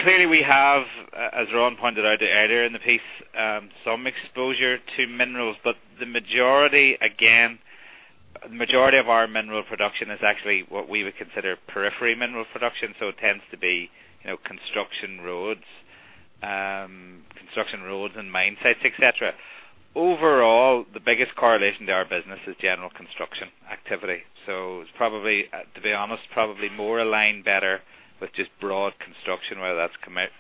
Clearly we have, as Ron pointed out earlier in the piece, some exposure to minerals. The majority of our mineral production is actually what we would consider periphery mineral production, so it tends to be construction roads and mine sites, et cetera. Overall, the biggest correlation to our business is general construction activity. To be honest, probably more aligned better with just broad construction, whether that's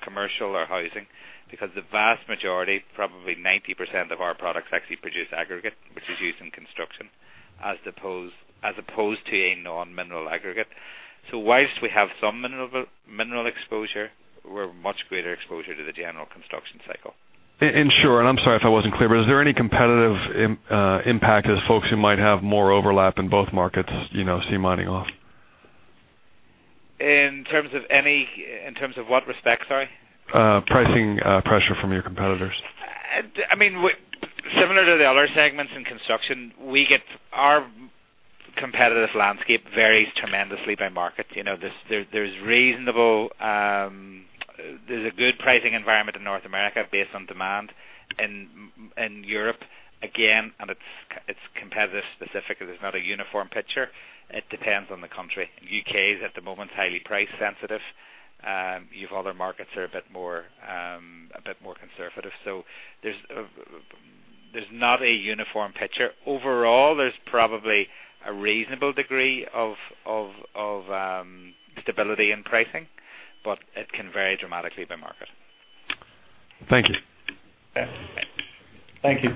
commercial or housing, because the vast majority, probably 90% of our products actually produce aggregate, which is used in construction, as opposed to a non-mineral aggregate. Whilst we have some mineral exposure, we're much greater exposure to the general construction cycle. Sure, I'm sorry if I wasn't clear, but is there any competitive impact as folks who might have more overlap in both markets, see mining off? In terms of what respect, sorry? Pricing pressure from your competitors. Similar to the other segments in construction, our competitive landscape varies tremendously by market. There's a good pricing environment in North America based on demand. In Europe, again, it's competitive specific because there's not a uniform picture. It depends on the country. U.K. is, at the moment, highly price sensitive. You have other markets that are a bit more conservative. There's not a uniform picture. Overall, there's probably a reasonable degree of stability in pricing, it can vary dramatically by market. Thank you. Yeah. Thank you.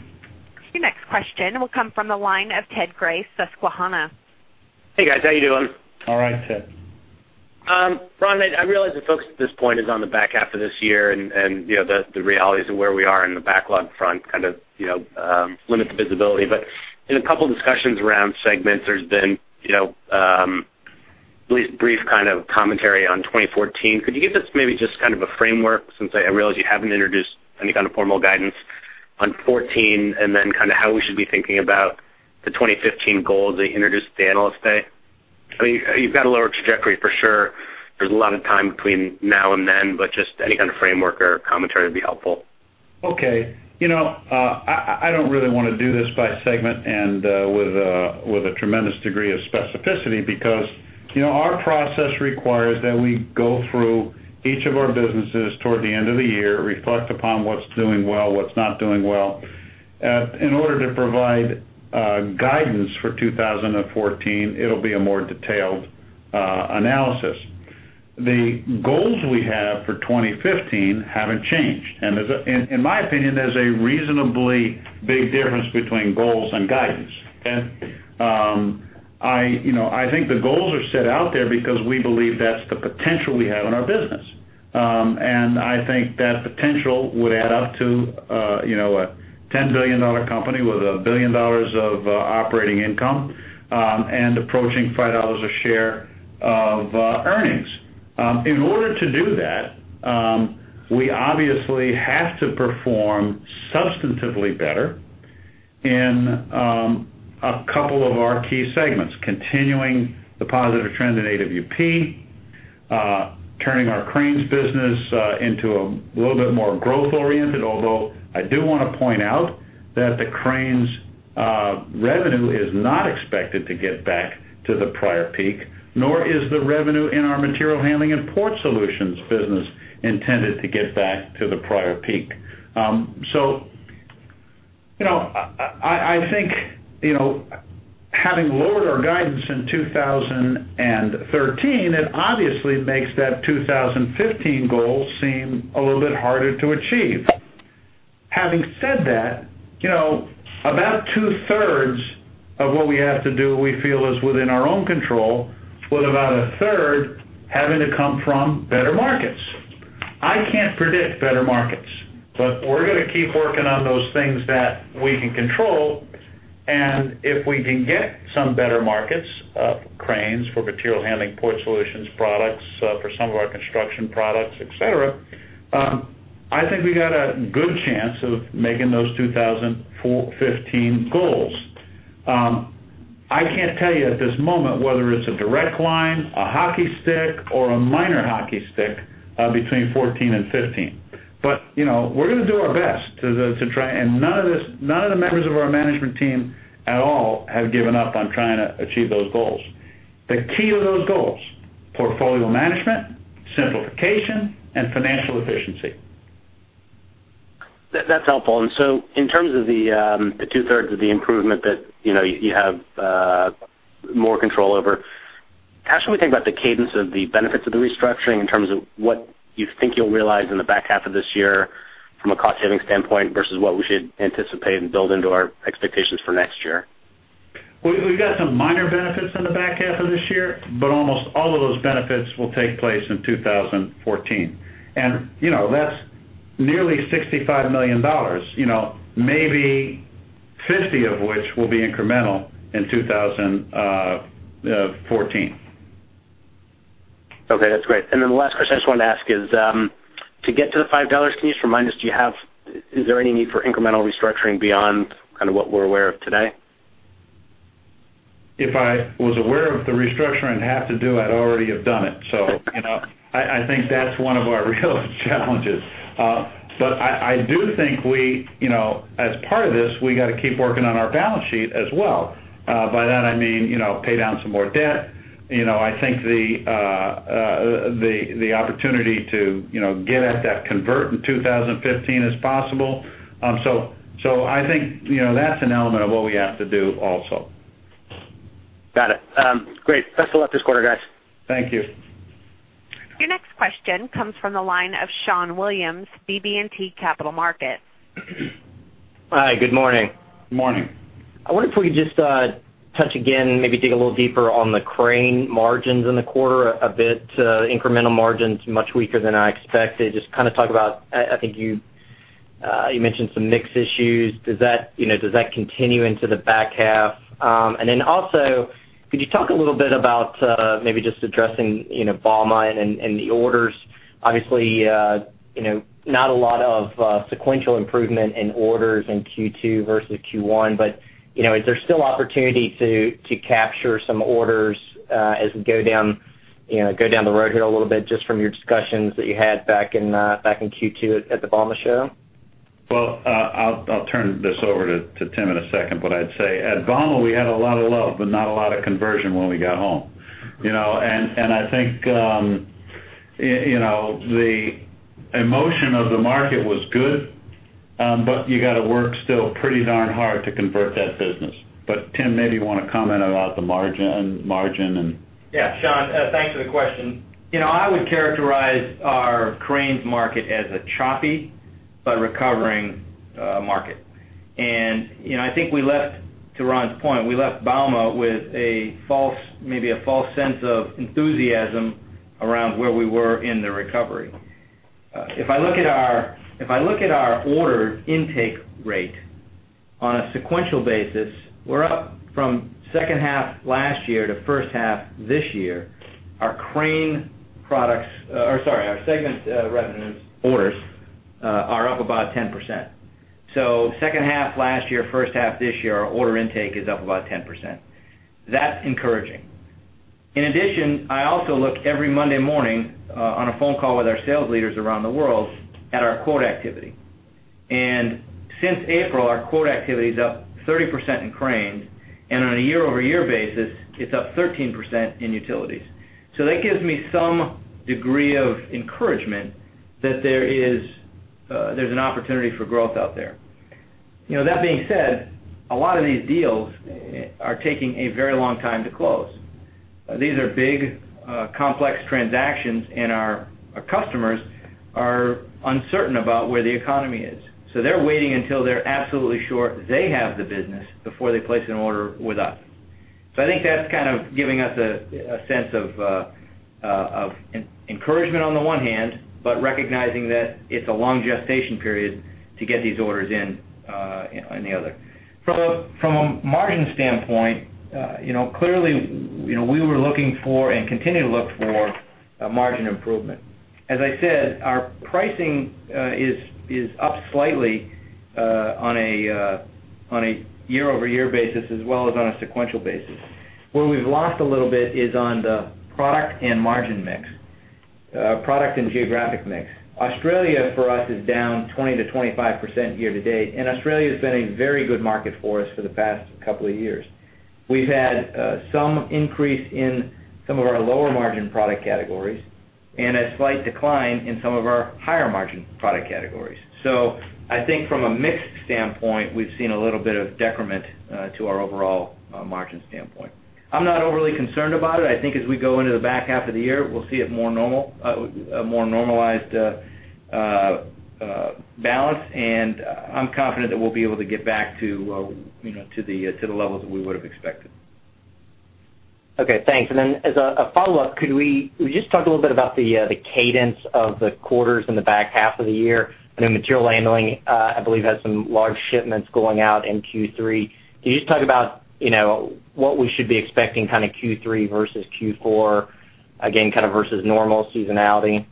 Your next question will come from the line of Ted Grace, Susquehanna. Hey, guys. How you doing? All right, Ted. Ron, I realize that folks at this point is on the back half of this year and the realities of where we are in the backlog front limit the visibility. In a couple of discussions around segments, there's been at least a brief kind of commentary on 2014. Could you give us maybe just kind of a framework, since I realize you haven't introduced any kind of formal guidance on 2014, and then how we should be thinking about the 2015 goals that you introduced at the Analyst Day? You've got a lower trajectory, for sure. There's a lot of time between now and then, just any kind of framework or commentary would be helpful. Okay. I don't really want to do this by segment and with a tremendous degree of specificity because our process requires that we go through each of our businesses toward the end of the year, reflect upon what's doing well, what's not doing well. In order to provide guidance for 2014, it'll be a more detailed analysis. The goals we have for 2015 haven't changed. In my opinion, there's a reasonably big difference between goals and guidance. I think the goals are set out there because we believe that's the potential we have in our business. I think that potential would add up to a $10 billion company with $1 billion of operating income, and approaching $5 a share of earnings. In order to do that, we obviously have to perform substantively better in a couple of our key segments, continuing the positive trend in AWP, turning our cranes business into a little bit more growth oriented. Although, I do want to point out that the cranes revenue is not expected to get back to the prior peak, nor is the revenue in our material handling and port solutions business intended to get back to the prior peak. I think, having lowered our guidance in 2013, it obviously makes that 2015 goal seem a little bit harder to achieve. Having said that, about two-thirds of what we have to do we feel is within our own control, with about a third having to come from better markets. I can't predict better markets, but we're going to keep working on those things that we can control, and if we can get some better markets, cranes for material handling port solutions products, for some of our construction products, et cetera, I think we got a good chance of making those 2015 goals. I can't tell you at this moment whether it's a direct line, a hockey stick, or a minor hockey stick between 2014 and 2015. We're going to do our best to try, and none of the members of our management team at all have given up on trying to achieve those goals. The key to those goals, portfolio management, simplification, and financial efficiency. That's helpful. In terms of the two-thirds of the improvement that you have more control over, how should we think about the cadence of the benefits of the restructuring in terms of what you think you'll realize in the back half of this year from a cost-saving standpoint versus what we should anticipate and build into our expectations for next year? We've got some minor benefits in the back half of this year, but almost all of those benefits will take place in 2014. That's nearly $65 million, maybe $50 million of which will be incremental in 2014. Okay, that's great. The last question I just wanted to ask is, to get to the $5 piece from minus, is there any need for incremental restructuring beyond what we're aware of today? If I was aware of the restructuring I'd have to do, I'd already have done it. I think that's one of our real challenges. I do think as part of this, we got to keep working on our balance sheet as well. By that I mean, pay down some more debt. I think the opportunity to get at that convert in 2015 is possible. I think, that's an element of what we have to do also. Got it. Great. Best of luck this quarter, guys. Thank you. Your next question comes from the line of Schon Williams, BB&T Capital Markets. Hi, good morning. Morning. I wonder if we could just touch again, maybe dig a little deeper on the crane margins in the quarter a bit. Incremental margins, much weaker than I expected. Just talk about, I think you mentioned some mix issues. Does that continue into the back half? Could you talk a little bit about maybe just addressing BAUMA and the orders? Obviously, not a lot of sequential improvement in orders in Q2 versus Q1, is there still opportunity to capture some orders as we go down the road here a little bit, just from your discussions that you had back in Q2 at the BAUMA show? Well, I'll turn this over to Tim in a second, I'd say at BAUMA, we had a lot of love, not a lot of conversion when we got home. I think the emotion of the market was good, you got to work still pretty darn hard to convert that business. Tim, maybe you want to comment about the margin and- Yeah, Schon, thanks for the question. I would characterize our cranes market as a choppy but recovering market. I think to Ron's point, we left BAUMA with maybe a false sense of enthusiasm around where we were in the recovery. If I look at our order intake rate on a sequential basis, we're up from second half last year to first half this year. Our segment revenues orders are up about 10%. Second half last year, first half this year, our order intake is up about 10%. That's encouraging. In addition, I also look every Monday morning on a phone call with our sales leaders around the world at our quote activity. Since April, our quote activity is up 30% in cranes, and on a year-over-year basis, it's up 13% in utilities. That gives me some degree of encouragement that there's an opportunity for growth out there. That being said, a lot of these deals are taking a very long time to close. These are big, complex transactions, and our customers are uncertain about where the economy is. They're waiting until they're absolutely sure they have the business before they place an order with us. I think that's kind of giving us a sense of encouragement on the one hand, recognizing that it's a long gestation period to get these orders in, on the other. From a margin standpoint, clearly, we were looking for and continue to look for a margin improvement. As I said, our pricing is up slightly on a year-over-year basis as well as on a sequential basis. Where we've lost a little bit is on the product and geographic mix. Australia, for us, is down 20%-25% year-to-date, Australia's been a very good market for us for the past couple of years. We've had some increase in some of our lower-margin product categories and a slight decline in some of our higher-margin product categories. I think from a mix standpoint, we've seen a little bit of decrement to our overall margin standpoint. I'm not overly concerned about it. I think as we go into the back half of the year, we'll see a more normalized balance, I'm confident that we'll be able to get back to the levels that we would've expected. Okay, thanks. Then as a follow-up, could we just talk a little bit about the cadence of the quarters in the back half of the year? I know material handling, I believe, has some large shipments going out in Q3. Can you just talk about what we should be expecting Q3 versus Q4, again, versus normal seasonality?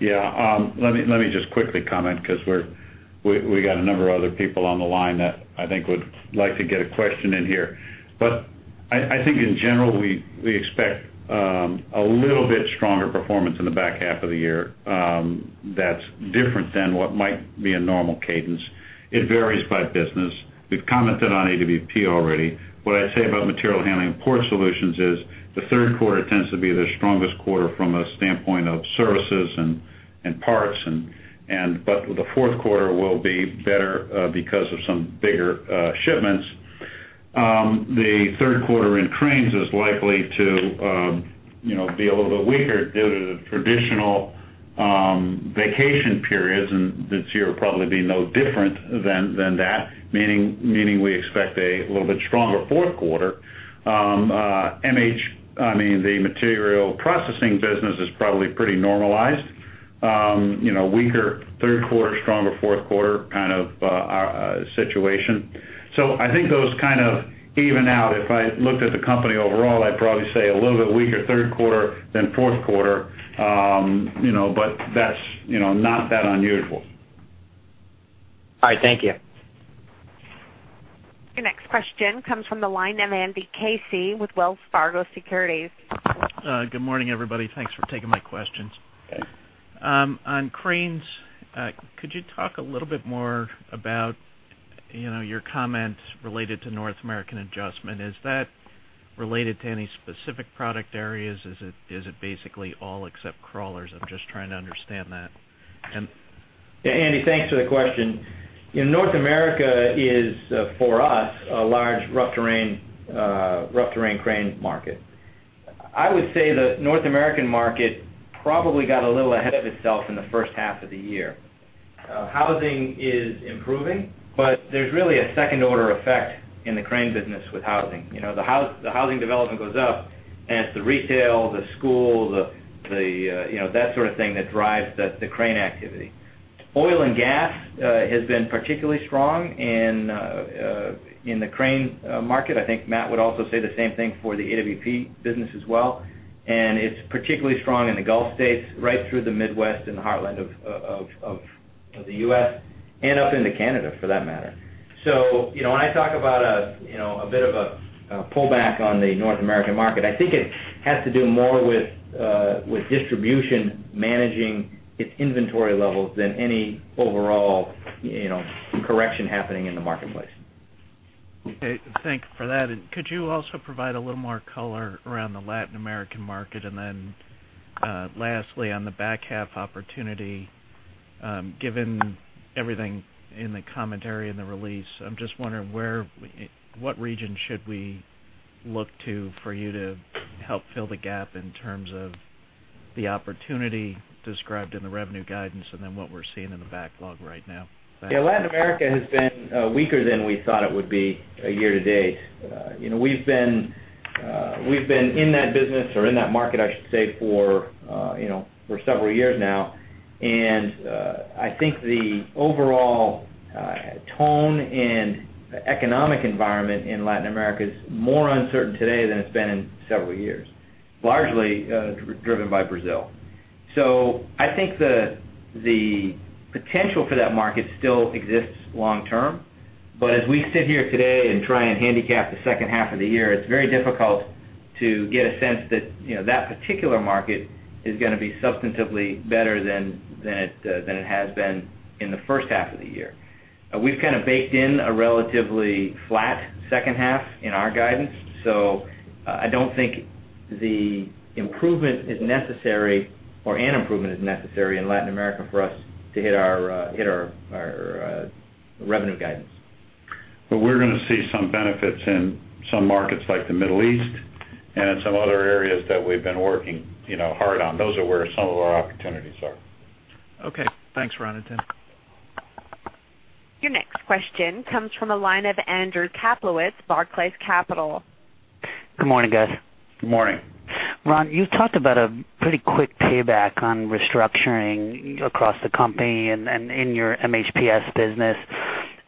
Yeah. Let me just quickly comment because we got a number of other people on the line that I think would like to get a question in here. I think in general, we expect a little bit stronger performance in the back half of the year that's different than what might be a normal cadence. It varies by business. We've commented on AWP already. What I'd say about material handling and port solutions is the third quarter tends to be the strongest quarter from a standpoint of services and parts, the fourth quarter will be better because of some bigger shipments. The third quarter in cranes is likely to be a little bit weaker due to the traditional vacation periods, this year will probably be no different than that, meaning we expect a little bit stronger fourth quarter. The material processing business is probably pretty normalized. Weaker third quarter, stronger fourth quarter kind of situation. I think those kind of even out. If I looked at the company overall, I'd probably say a little bit weaker third quarter than fourth quarter, that's not that unusual. All right. Thank you. Your next question comes from the line of Andrew Casey with Wells Fargo Securities. Good morning, everybody. Thanks for taking my questions. Okay. On cranes, could you talk a little bit more about your comments related to North American adjustment? Is that related to any specific product areas? Is it basically all except crawlers? I'm just trying to understand that. Yeah, Andy, thanks for the question. North America is, for us, a large rough terrain crane market. I would say the North American market probably got a little ahead of itself in the first half of the year. Housing is improving, but there's really a second order effect in the crane business with housing. The housing development goes up and it's the retail, the school, that sort of thing that drives the crane activity. Oil and gas has been particularly strong in the crane market. I think Matt would also say the same thing for the AWP business as well, and it's particularly strong in the Gulf states, right through the Midwest and the heartland of the U.S. and up into Canada for that matter. When I talk about a bit of a pullback on the North American market, I think it has to do more with distribution, managing its inventory levels than any overall correction happening in the marketplace. Okay. Thank you for that. Could you also provide a little more color around the Latin American market? Lastly, on the back half opportunity, given everything in the commentary in the release, I'm just wondering what region should we look to for you to help fill the gap in terms of the opportunity described in the revenue guidance and what we're seeing in the backlog right now? Yeah. Latin America has been weaker than we thought it would be year to date. We've been in that business, or in that market I should say, for several years now. I think the overall tone and economic environment in Latin America is more uncertain today than it's been in several years, largely driven by Brazil. I think the potential for that market still exists long term. As we sit here today and try and handicap the second half of the year, it's very difficult to get a sense that particular market is going to be substantively better than it has been in the first half of the year. We've kind of baked in a relatively flat second half in our guidance. I don't think an improvement is necessary in Latin America for us to hit our revenue guidance. We're going to see some benefits in some markets like the Middle East and some other areas that we've been working hard on. Those are where some of our opportunities are. Okay. Thanks, Ron and Tim. Your next question comes from the line of Andrew Kaplowitz, Barclays Capital. Good morning, guys. Good morning. Ron, you've talked about a pretty quick payback on restructuring across the company and in your MHPS business.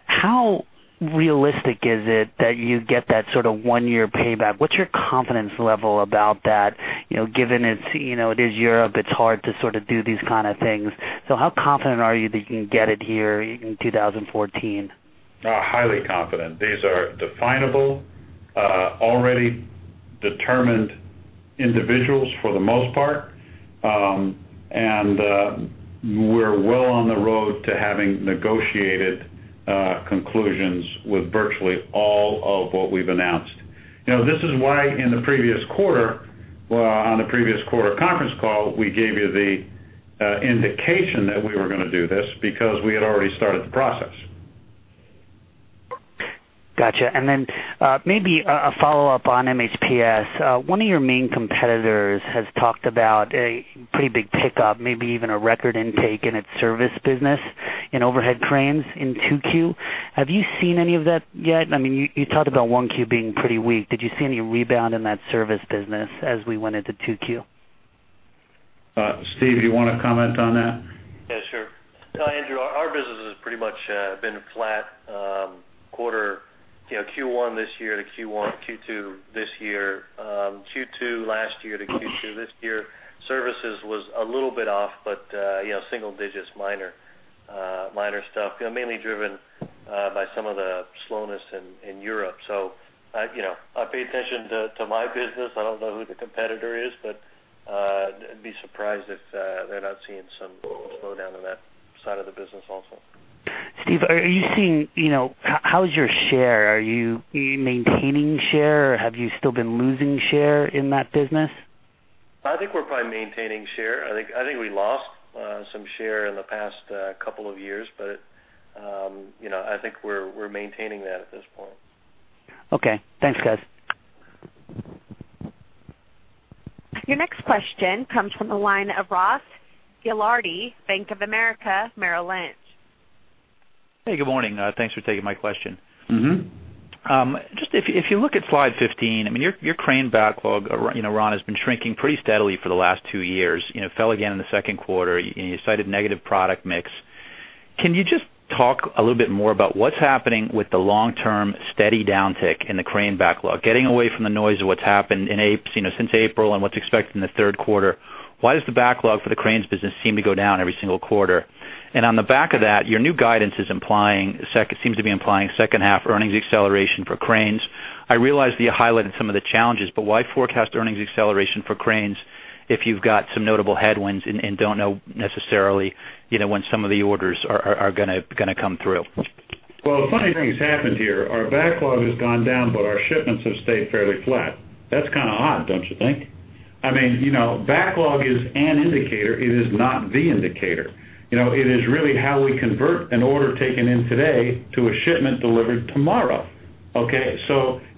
How realistic is it that you get that sort of one-year payback? What's your confidence level about that, given it is Europe, it's hard to sort of do these kind of things. How confident are you that you can get it here in 2014? Highly confident. These are definable, already determined individuals for the most part. We're well on the road to having negotiated conclusions with virtually all of what we've announced. This is why on the previous quarter conference call, we gave you the indication that we were going to do this because we had already started the process. Got you. Then, maybe a follow-up on MHPS. One of your main competitors has talked about a pretty big pickup, maybe even a record intake in its service business in overhead cranes in 2Q. Have you seen any of that yet? You talked about 1Q being pretty weak. Did you see any rebound in that service business as we went into 2Q? Steve, do you want to comment on that? Yeah, sure. Andrew, our business has pretty much been flat Q1 this year to Q2 this year. Q2 last year to Q2 this year, services was a little bit off, but single digits, minor stuff, mainly driven by some of the slowness in Europe. I pay attention to my business. I don't know who the competitor is, but I'd be surprised if they're not seeing some slowdown on that side of the business also. Steve, how's your share? Are you maintaining share or have you still been losing share in that business? I think we're probably maintaining share. I think we lost some share in the past couple of years, but I think we're maintaining that at this point. Okay. Thanks, guys. Your next question comes from the line of Ross Gilardi, Bank of America Merrill Lynch. Hey, good morning. Thanks for taking my question. If you look at slide 15, your Cranes backlog, Ron, has been shrinking pretty steadily for the last two years. It fell again in the second quarter, and you cited negative product mix. Can you just talk a little bit more about what's happening with the long-term steady downtick in the Cranes backlog, getting away from the noise of what's happened since April and what's expected in the third quarter? Why does the backlog for the Cranes business seem to go down every single quarter? On the back of that, your new guidance seems to be implying second half earnings acceleration for Cranes. I realize that you highlighted some of the challenges, but why forecast earnings acceleration for Cranes if you've got some notable headwinds and don't know necessarily when some of the orders are going to come through? Well, a funny thing's happened here. Our backlog has gone down, but our shipments have stayed fairly flat. That's kind of odd, don't you think? Backlog is an indicator. It is not the indicator. It is really how we convert an order taken in today to a shipment delivered tomorrow. Okay?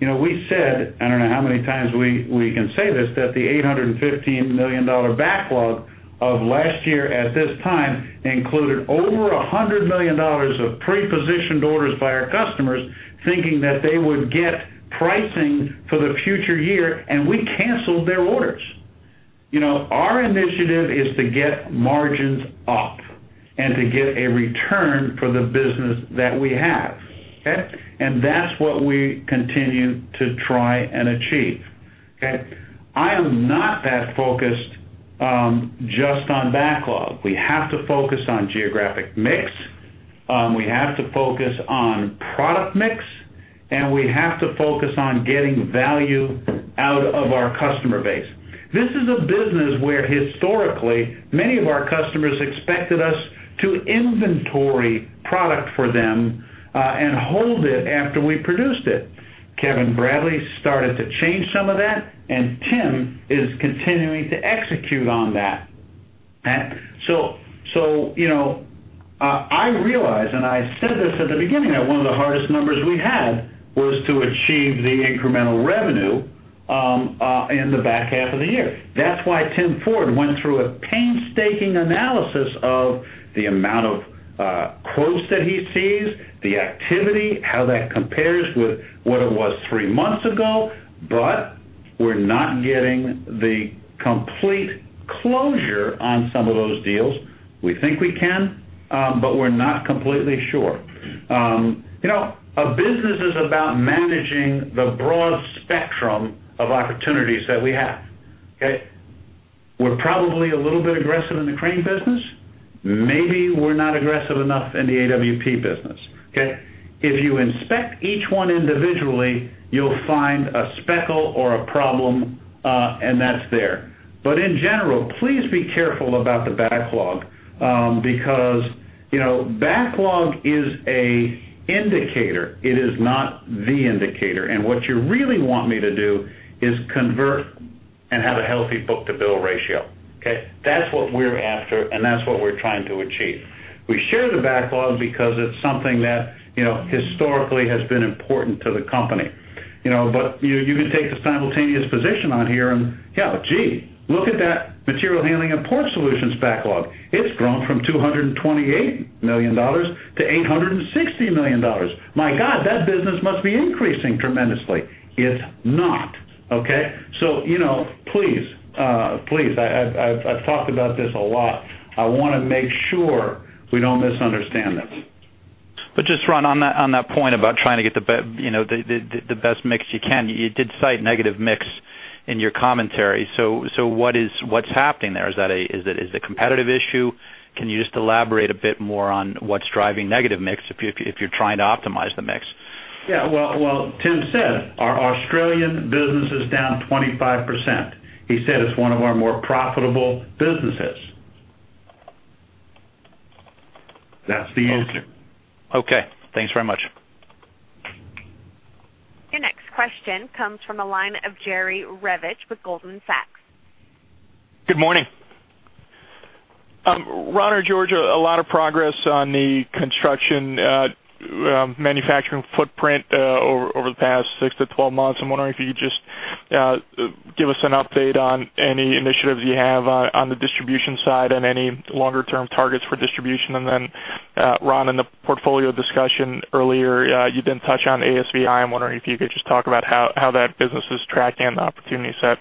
We said, I don't know how many times we can say this, that the $815 million backlog of last year at this time included over $100 million of pre-positioned orders by our customers thinking that they would get pricing for the future year, and we canceled their orders. Our initiative is to get margins up and to get a return for the business that we have. Okay? That's what we continue to try and achieve. Okay? I am not that focused just on backlog. We have to focus on geographic mix, we have to focus on product mix, and we have to focus on getting value out of our customer base. This is a business where historically, many of our customers expected us to inventory product for them, and hold it after we produced it. Kevin Bradley started to change some of that, and Tim is continuing to execute on that. I realize, and I said this at the beginning, that one of the hardest numbers we had was to achieve the incremental revenue in the back half of the year. That's why Tim Ford went through a painstaking analysis of the amount of quotes that he sees, the activity, how that compares with what it was three months ago, but we're not getting the complete closure on some of those deals. We think we can, but we're not completely sure. A business is about managing the broad spectrum of opportunities that we have. Okay? We're probably a little bit aggressive in the crane business. Maybe we're not aggressive enough in the AWP business. Okay? If you inspect each one individually, you'll find a speckle or a problem, and that's there. In general, please be careful about the backlog, because backlog is a indicator. It is not the indicator. What you really want me to do is convert and have a healthy book-to-bill ratio. Okay? That's what we're after, and that's what we're trying to achieve. We share the backlog because it's something that historically has been important to the company. You could take the simultaneous position on here and, gee, look at that Material Handling & Port Solutions backlog. It's grown from $228 million to $860 million. My God, that business must be increasing tremendously. It's not. Okay? Please, I've talked about this a lot. I want to make sure we don't misunderstand this. Just, Ron, on that point about trying to get the best mix you can, you did cite negative mix in your commentary. What's happening there? Is it a competitive issue? Can you just elaborate a bit more on what's driving negative mix if you're trying to optimize the mix? Yeah. Well, Tim said our Australian business is down 25%. He said it's one of our more profitable businesses. That's the answer. Okay. Thanks very much. Your next question comes from the line of Jerry Revich with Goldman Sachs. Good morning. Ron or George, a lot of progress on the construction manufacturing footprint over the past six to 12 months. I'm wondering if you could just give us an update on any initiatives you have on the distribution side and any longer-term targets for distribution. Then, Ron, in the portfolio discussion earlier, you didn't touch on ASV. I'm wondering if you could just talk about how that business is tracking and the opportunity set.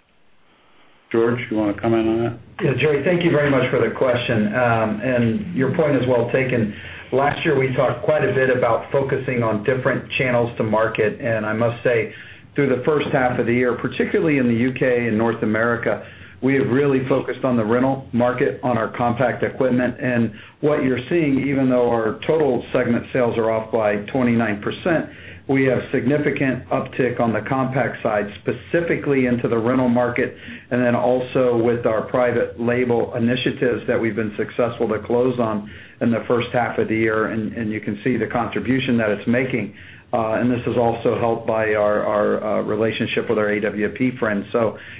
George, you want to comment on that? Yeah, Jerry, thank you very much for the question. Your point is well taken. Last year, we talked quite a bit about focusing on different channels to market. I must say, through the first half of the year, particularly in the U.K. and North America, we have really focused on the rental market on our compact equipment. What you're seeing, even though our total segment sales are off by 29%, we have significant uptick on the compact side, specifically into the rental market, and then also with our private label initiatives that we've been successful to close on in the first half of the year, and you can see the contribution that it's making. This is also helped by our relationship with our AWP friends.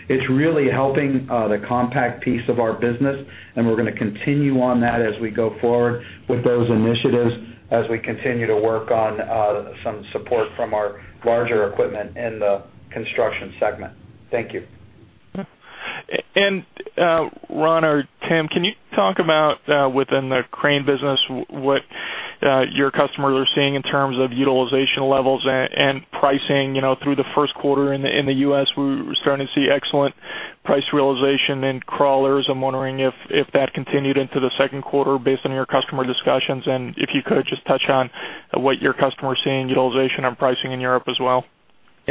It's really helping the compact piece of our business, and we're going to continue on that as we go forward with those initiatives as we continue to work on some support from our larger equipment in the construction segment. Thank you. Ron or Tim, can you talk about, within the crane business, what your customers are seeing in terms of utilization levels and pricing? Through the first quarter in the U.S., we were starting to see excellent price realization in crawlers. I'm wondering if that continued into the second quarter based on your customer discussions, and if you could just touch on what your customers are seeing in utilization and pricing in Europe as well.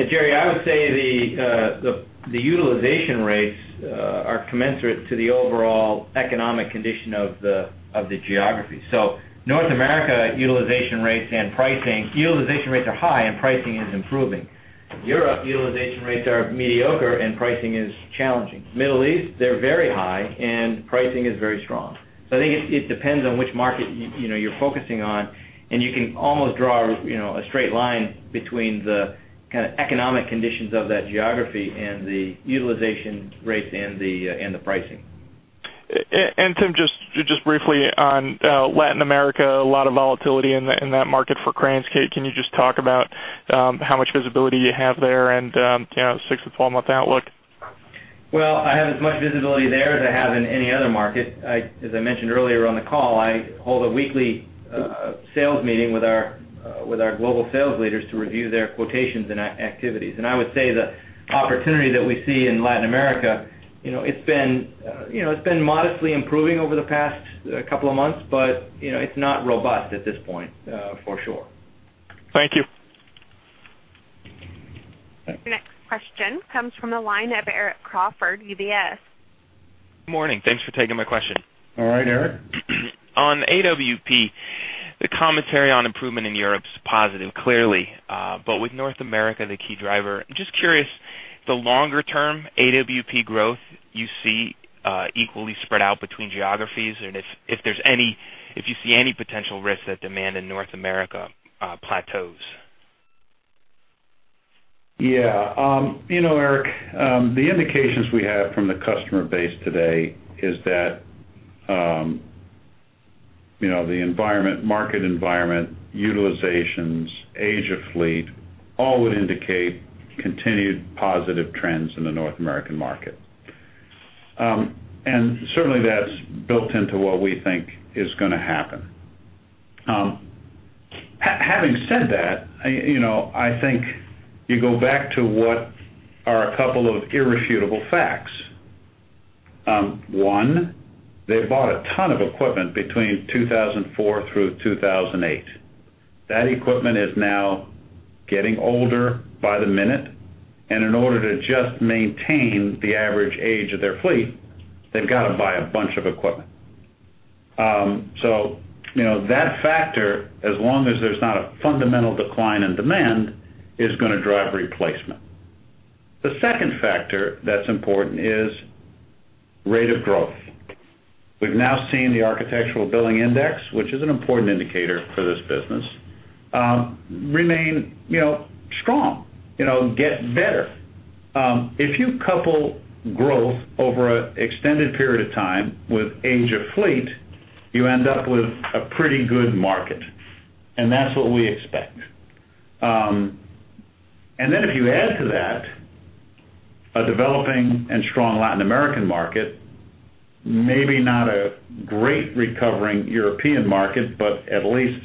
Jerry, I would say the utilization rates are commensurate to the overall economic condition of the geography. North America, utilization rates and pricing, utilization rates are high and pricing is improving. Europe, utilization rates are mediocre and pricing is challenging. Middle East, they're very high and pricing is very strong. I think it depends on which market you're focusing on, and you can almost draw a straight line between the kind of economic conditions of that geography and the utilization rates and the pricing. Tim, just briefly on Latin America, a lot of volatility in that market for cranes. Can you just talk about how much visibility you have there and 6-12 month outlook? Well, I have as much visibility there as I have in any other market. As I mentioned earlier on the call, I hold a weekly sales meeting with our global sales leaders to review their quotations and activities. I would say the opportunity that we see in Latin America, it's been modestly improving over the past couple of months, but it's not robust at this point, for sure. Thank you. Next question comes from the line of Eric Crawford, UBS. Morning. Thanks for taking my question. All right, Eric. On AWP, the commentary on improvement in Europe's positive, clearly. With North America the key driver, I'm just curious, the longer-term AWP growth you see equally spread out between geographies, and if you see any potential risk that demand in North America plateaus? Eric, the indications we have from the customer base today is that the market environment, utilizations, age of fleet, all would indicate continued positive trends in the North American market. Certainly, that's built into what we think is going to happen. Having said that, I think you go back to what are a couple of irrefutable facts. One, they bought a ton of equipment between 2004 through 2008. That equipment is now getting older by the minute, in order to just maintain the average age of their fleet, they've got to buy a bunch of equipment. That factor, as long as there's not a fundamental decline in demand, is going to drive replacement. The second factor that's important is rate of growth. We've now seen the Architecture Billings Index, which is an important indicator for this business, remain strong, get better. If you couple growth over an extended period of time with age of fleet, you end up with a pretty good market, that's what we expect. If you add to that a developing and strong Latin American market, maybe not a great recovering European market, but at least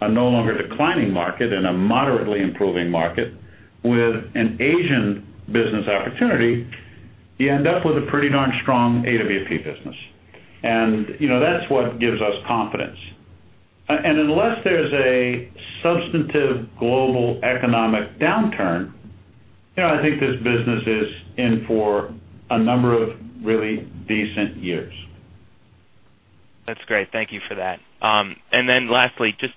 a no longer declining market and a moderately improving market with an Asian business opportunity, you end up with a pretty darn strong AWP business. That's what gives us confidence. Unless there's a substantive global economic downturn, I think this business is in for a number of really decent years. That's great. Thank you for that. Lastly, just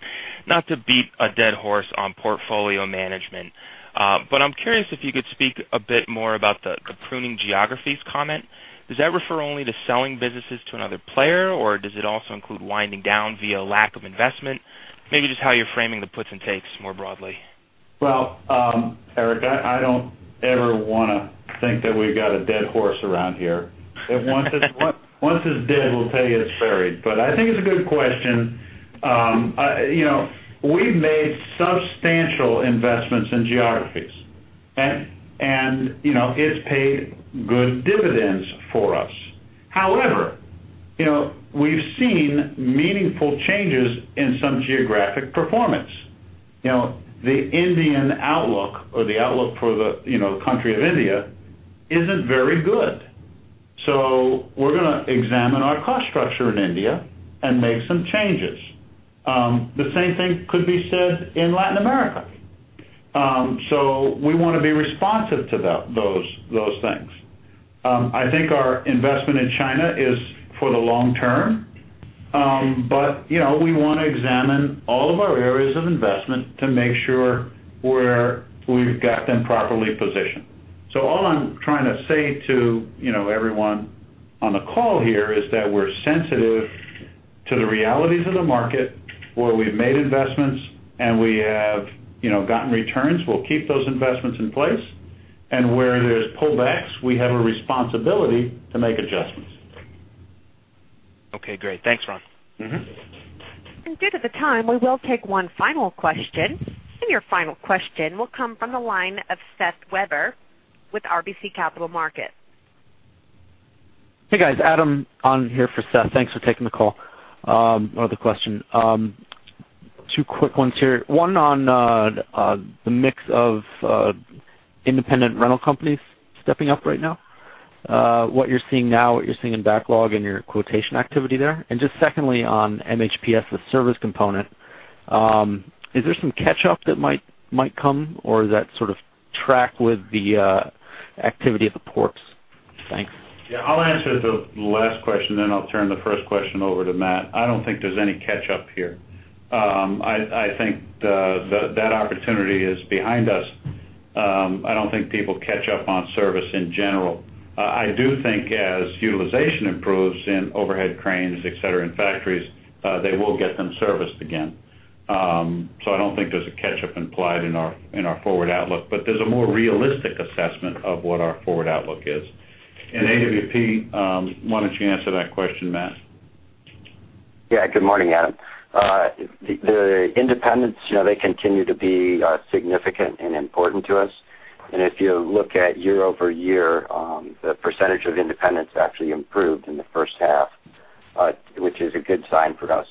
not to beat a dead horse on portfolio management, I'm curious if you could speak a bit more about the pruning geographies comment. Does that refer only to selling businesses to another player, does it also include winding down via lack of investment? Maybe just how you're framing the puts and takes more broadly. Well, Eric, I don't ever want to think that we've got a dead horse around here. Once it's dead, we'll tell you it's buried. I think it's a good question. We've made substantial investments in geographies, it's paid good dividends for us. However, we've seen meaningful changes in some geographic performance. The Indian outlook or the outlook for the country of India isn't very good. We're gonna examine our cost structure in India and make some changes. The same thing could be said in Latin America. We want to be responsive to those things. I think our investment in China is for the long term, we want to examine all of our areas of investment to make sure we've got them properly positioned. All I'm trying to say to everyone on the call here is that we're sensitive to the realities of the market. Where we've made investments and we have gotten returns, we'll keep those investments in place. Where there's pullbacks, we have a responsibility to make adjustments. Okay, great. Thanks, Ron. Due to the time, we will take one final question, and your final question will come from the line of Seth Weber with RBC Capital Markets. Hey, guys. Adam on here for Seth. Thanks for taking the call or the question. Two quick ones here. One on the mix of independent rental companies stepping up right now. What you're seeing now, what you're seeing in backlog and your quotation activity there. Just secondly, on MHPS, the service component, is there some catch-up that might come, or is that sort of track with the activity at the ports? Thanks. Yeah, I'll answer the last question I'll turn the first question over to Matt. I don't think there's any catch-up here. I think that opportunity is behind us. I don't think people catch up on service in general. I do think as utilization improves in overhead cranes, et cetera, in factories, they will get them serviced again. I don't think there's a catch-up implied in our forward outlook. There's a more realistic assessment of what our forward outlook is. In AWP, why don't you answer that question, Matt? Yeah. Good morning, Adam. The independents, they continue to be significant and important to us. If you look at year-over-year, the percentage of independents actually improved in the first half, which is a good sign for us.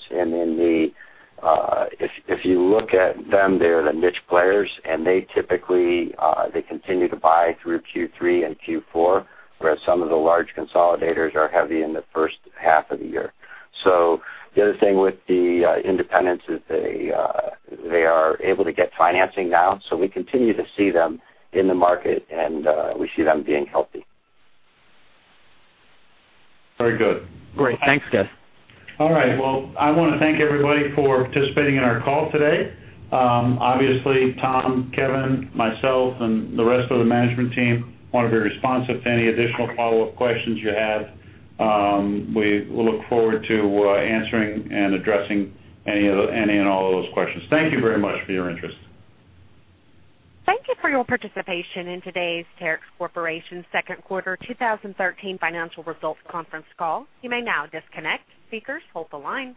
If you look at them, they're the niche players, and they typically, they continue to buy through Q3 and Q4, whereas some of the large consolidators are heavy in the first half of the year. The other thing with the independents is they are able to get financing now, so we continue to see them in the market, and we see them being healthy. Very good. Great. Thanks, guys. All right. Well, I want to thank everybody for participating in our call today. Obviously, Tom, Kevin, myself, and the rest of the management team want to be responsive to any additional follow-up questions you have. We look forward to answering and addressing any and all of those questions. Thank you very much for your interest. Thank you for your participation in today's Terex Corporation Second Quarter 2013 Financial Results Conference Call. You may now disconnect. Speakers, hold the line.